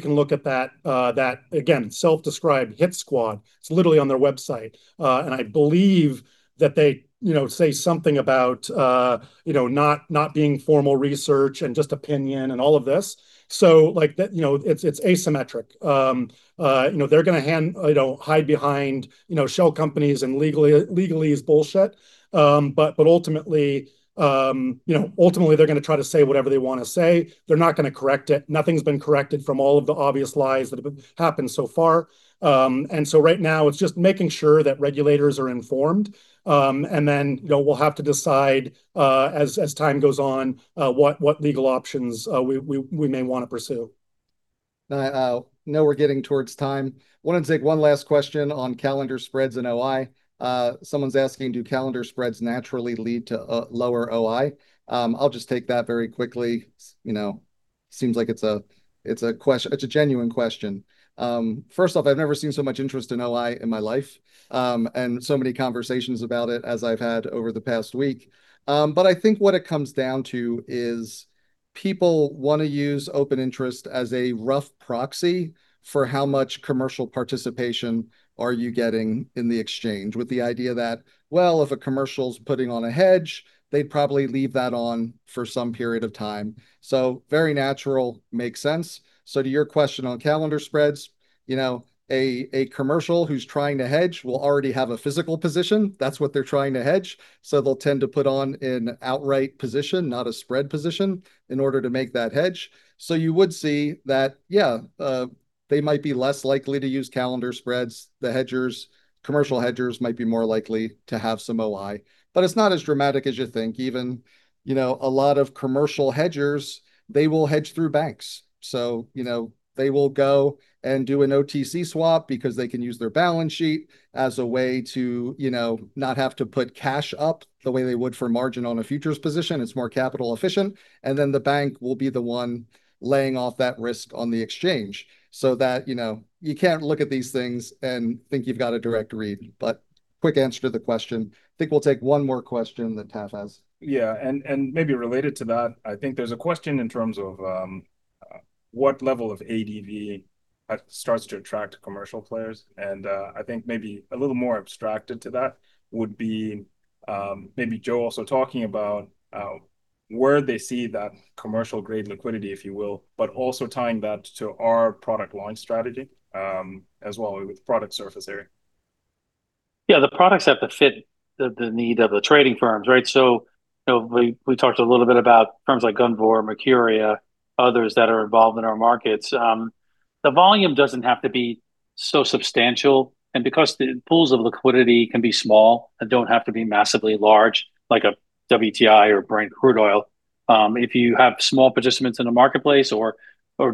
can look at that, again, self-described hit squad. It's literally on their website. I believe that they say something about not being formal research and just opinion and all of this. It's asymmetric. They're going to hide behind shell companies and legalese bullshit. Ultimately, they're going to try to say whatever they want to say. They're not going to correct it. Nothing's been corrected from all of the obvious lies that have happened so far. Right now, it's just making sure that regulators are informed. Then, we'll have to decide, as time goes on, what legal options we may want to pursue. I know we're getting towards time. Want to take one last question on calendar spreads in OI. Someone's asking, "Do calendar spreads naturally lead to lower OI?" I'll just take that very quickly. Seems like it's a genuine question. First off, I've never seen so much interest in OI in my life, and so many conversations about it as I've had over the past week. I think what it comes down to is people want to use open interest as a rough proxy for how much commercial participation are you getting in the exchange with the idea that, well, if a commercial's putting on a hedge, they'd probably leave that on for some period of time. Very natural, makes sense. To your question on calendar spreads, a commercial who's trying to hedge will already have a physical position. That's what they're trying to hedge. They'll tend to put on an outright position, not a spread position, in order to make that hedge. You would see that, yeah, they might be less likely to use calendar spreads. The hedgers, commercial hedgers might be more likely to have some OI. It's not as dramatic as you think. Even a lot of commercial hedgers, they will hedge through banks. They will go and do an OTC swap because they can use their balance sheet as a way to not have to put cash up the way they would for margin on a futures position. It's more capital efficient, then the bank will be the one laying off that risk on the exchange so that you can't look at these things and think you've got a direct read. Quick answer to the question, I think we'll take one more question that Taf has. Yeah. Maybe related to that, I think there's a question in terms of what level of ADV starts to attract commercial players, and I think maybe a little more abstracted to that would be maybe Joe also talking about where they see that commercial-grade liquidity, if you will, but also tying that to our product launch strategy, as well with product surface area. Yeah. The products have to fit the need of the trading firms, right? We talked a little bit about firms like Gunvor, Mercuria, others that are involved in our markets. The volume doesn't have to be so substantial, and because the pools of liquidity can be small and don't have to be massively large like a WTI or Brent Crude oil. If you have small participants in a marketplace or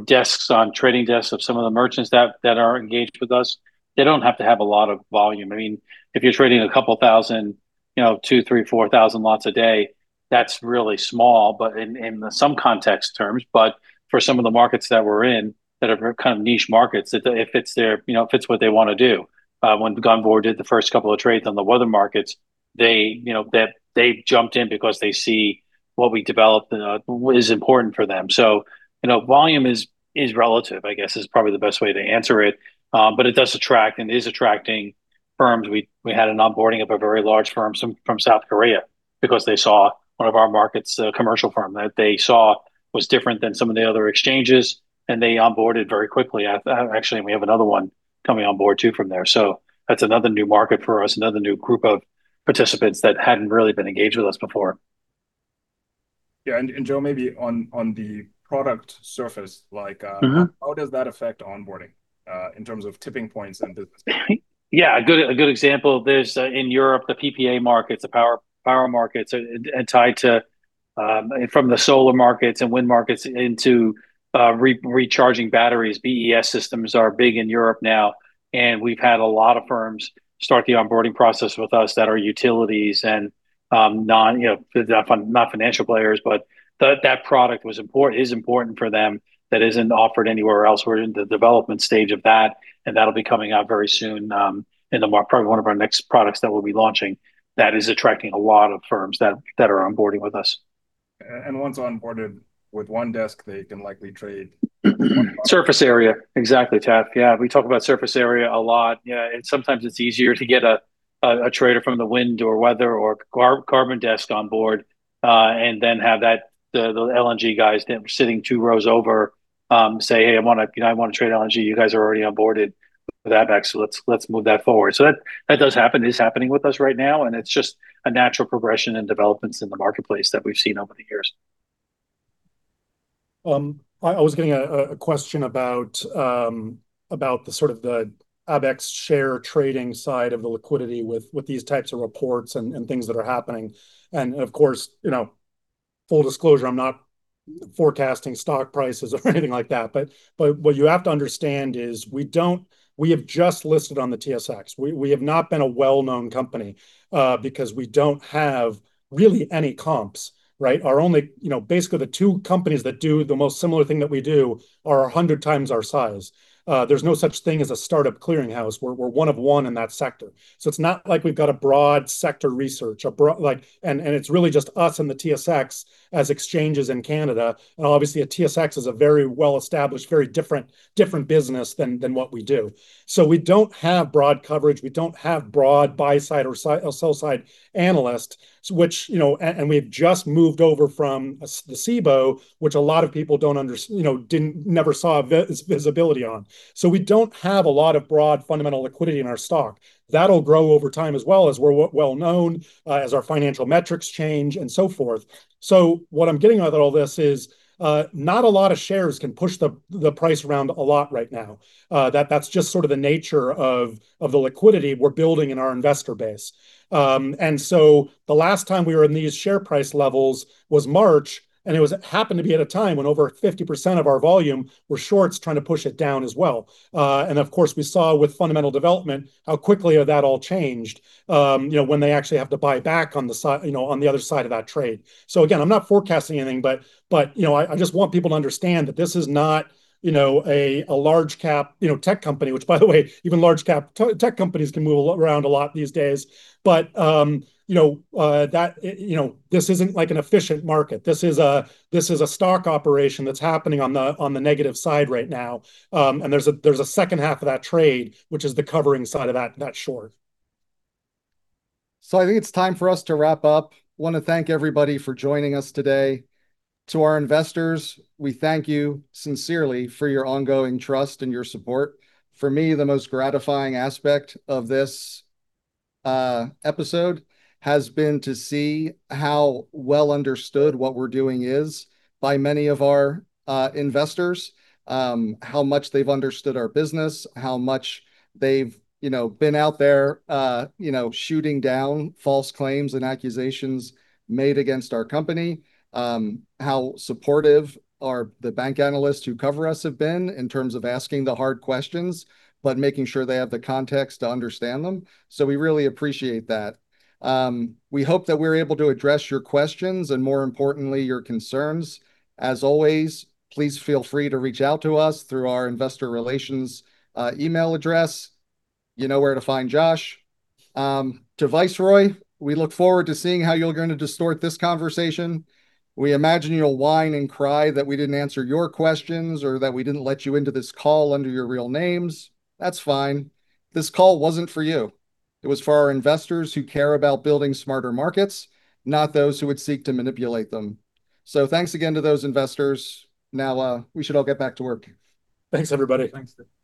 desks on trading desks of some of the merchants that are engaged with us, they don't have to have a lot of volume. If you're trading a couple thousand, 2,000, 3,000, 4,000 lots a day, that's really small, but in some context terms. For some of the markets that we're in that are kind of niche markets, it fits what they want to do. When Gunvor did the first couple of trades on the weather markets, they jumped in because they see what we developed is important for them. Volume is relative, I guess, is probably the best way to answer it. It does attract and is attracting firms. We had an onboarding of a very large firm from South Korea because they saw one of our markets, a commercial firm that they saw was different than some of the other exchanges, and they onboarded very quickly. Actually, we have another one coming on board too from there. That's another new market for us, another new group of participants that hadn't really been engaged with us before. Yeah. Joe, maybe on the product surface, how does that affect onboarding, in terms of tipping points and business? Yeah. A good example of this in Europe, the PPA markets, the power markets, and tied to from the solar markets and wind markets into recharging batteries. BESS systems are big in Europe now, and we've had a lot of firms start the onboarding process with us that are utilities and not financial players, but that product is important for them, that isn't offered anywhere else. We're in the development stage of that, and that'll be coming out very soon, in probably one of our next products that we'll be launching that is attracting a lot of firms that are onboarding with us. Once onboarded with one desk, they can likely trade- Surface area. Exactly, Taf. Yeah, we talk about surface area a lot. Yeah. Sometimes it's easier to get a trader from the wind or weather or carbon desk on board, and then have the LNG guys that are sitting two rows over say, "Hey, I want to trade LNG. You guys are already onboarded with Abaxx, so let's move that forward." That does happen. It is happening with us right now, and it's just a natural progression in developments in the marketplace that we've seen over the years. I was getting a question about the sort of the Abaxx share trading side of the liquidity with these types of reports and things that are happening. Of course, full disclosure, I'm not forecasting stock prices or anything like that. What you have to understand is we have just listed on the TSX. We have not been a well-known company, because we don't have really any comps, right? Basically the two companies that do the most similar thing that we do are 100 times our size. There's no such thing as a startup clearinghouse. We're one of one in that sector. It's not like we've got a broad sector research. It's really just us and the TSX as exchanges in Canada. Obviously a TSX is a very well-established, very different business than what we do. We don't have broad coverage. We don't have broad buy-side or sell-side analysts, we've just moved over from the Cboe, which a lot of people never saw visibility on. We don't have a lot of broad fundamental liquidity in our stock. That'll grow over time as well as we're well-known, as our financial metrics change and so forth. What I'm getting at with all this is, not a lot of shares can push the price around a lot right now. That's just sort of the nature of the liquidity we're building in our investor base. The last time we were in these share price levels was March, and it happened to be at a time when over 50% of our volume were shorts trying to push it down as well. Of course, we saw with fundamental development how quickly that all changed, when they actually have to buy back on the other side of that trade. Again, I'm not forecasting anything, I just want people to understand that this is not a large cap tech company. Which by the way, even large cap tech companies can move around a lot these days. This isn't like an efficient market. This is a stock operation that's happening on the negative side right now. There's a second half of that trade, which is the covering side of that short. I think it's time for us to wrap up. Want to thank everybody for joining us today. To our investors, we thank you sincerely for your ongoing trust and your support. For me, the most gratifying aspect of this episode has been to see how well understood what we're doing is by many of our investors, how much they've understood our business, how much they've been out there shooting down false claims and accusations made against our company, how supportive the bank analysts who cover us have been in terms of asking the hard questions, making sure they have the context to understand them. We really appreciate that. We hope that we're able to address your questions and, more importantly, your concerns. As always, please feel free to reach out to us through our investor relations email address. You know where to find Josh. To Viceroy, we look forward to seeing how you're going to distort this conversation. We imagine you'll whine and cry that we didn't answer your questions or that we didn't let you into this call under your real names. That's fine. This call wasn't for you. It was for our investors who care about building smarter markets, not those who would seek to manipulate them. Thanks again to those investors. Now, we should all get back to work. Thanks, everybody. Thanks.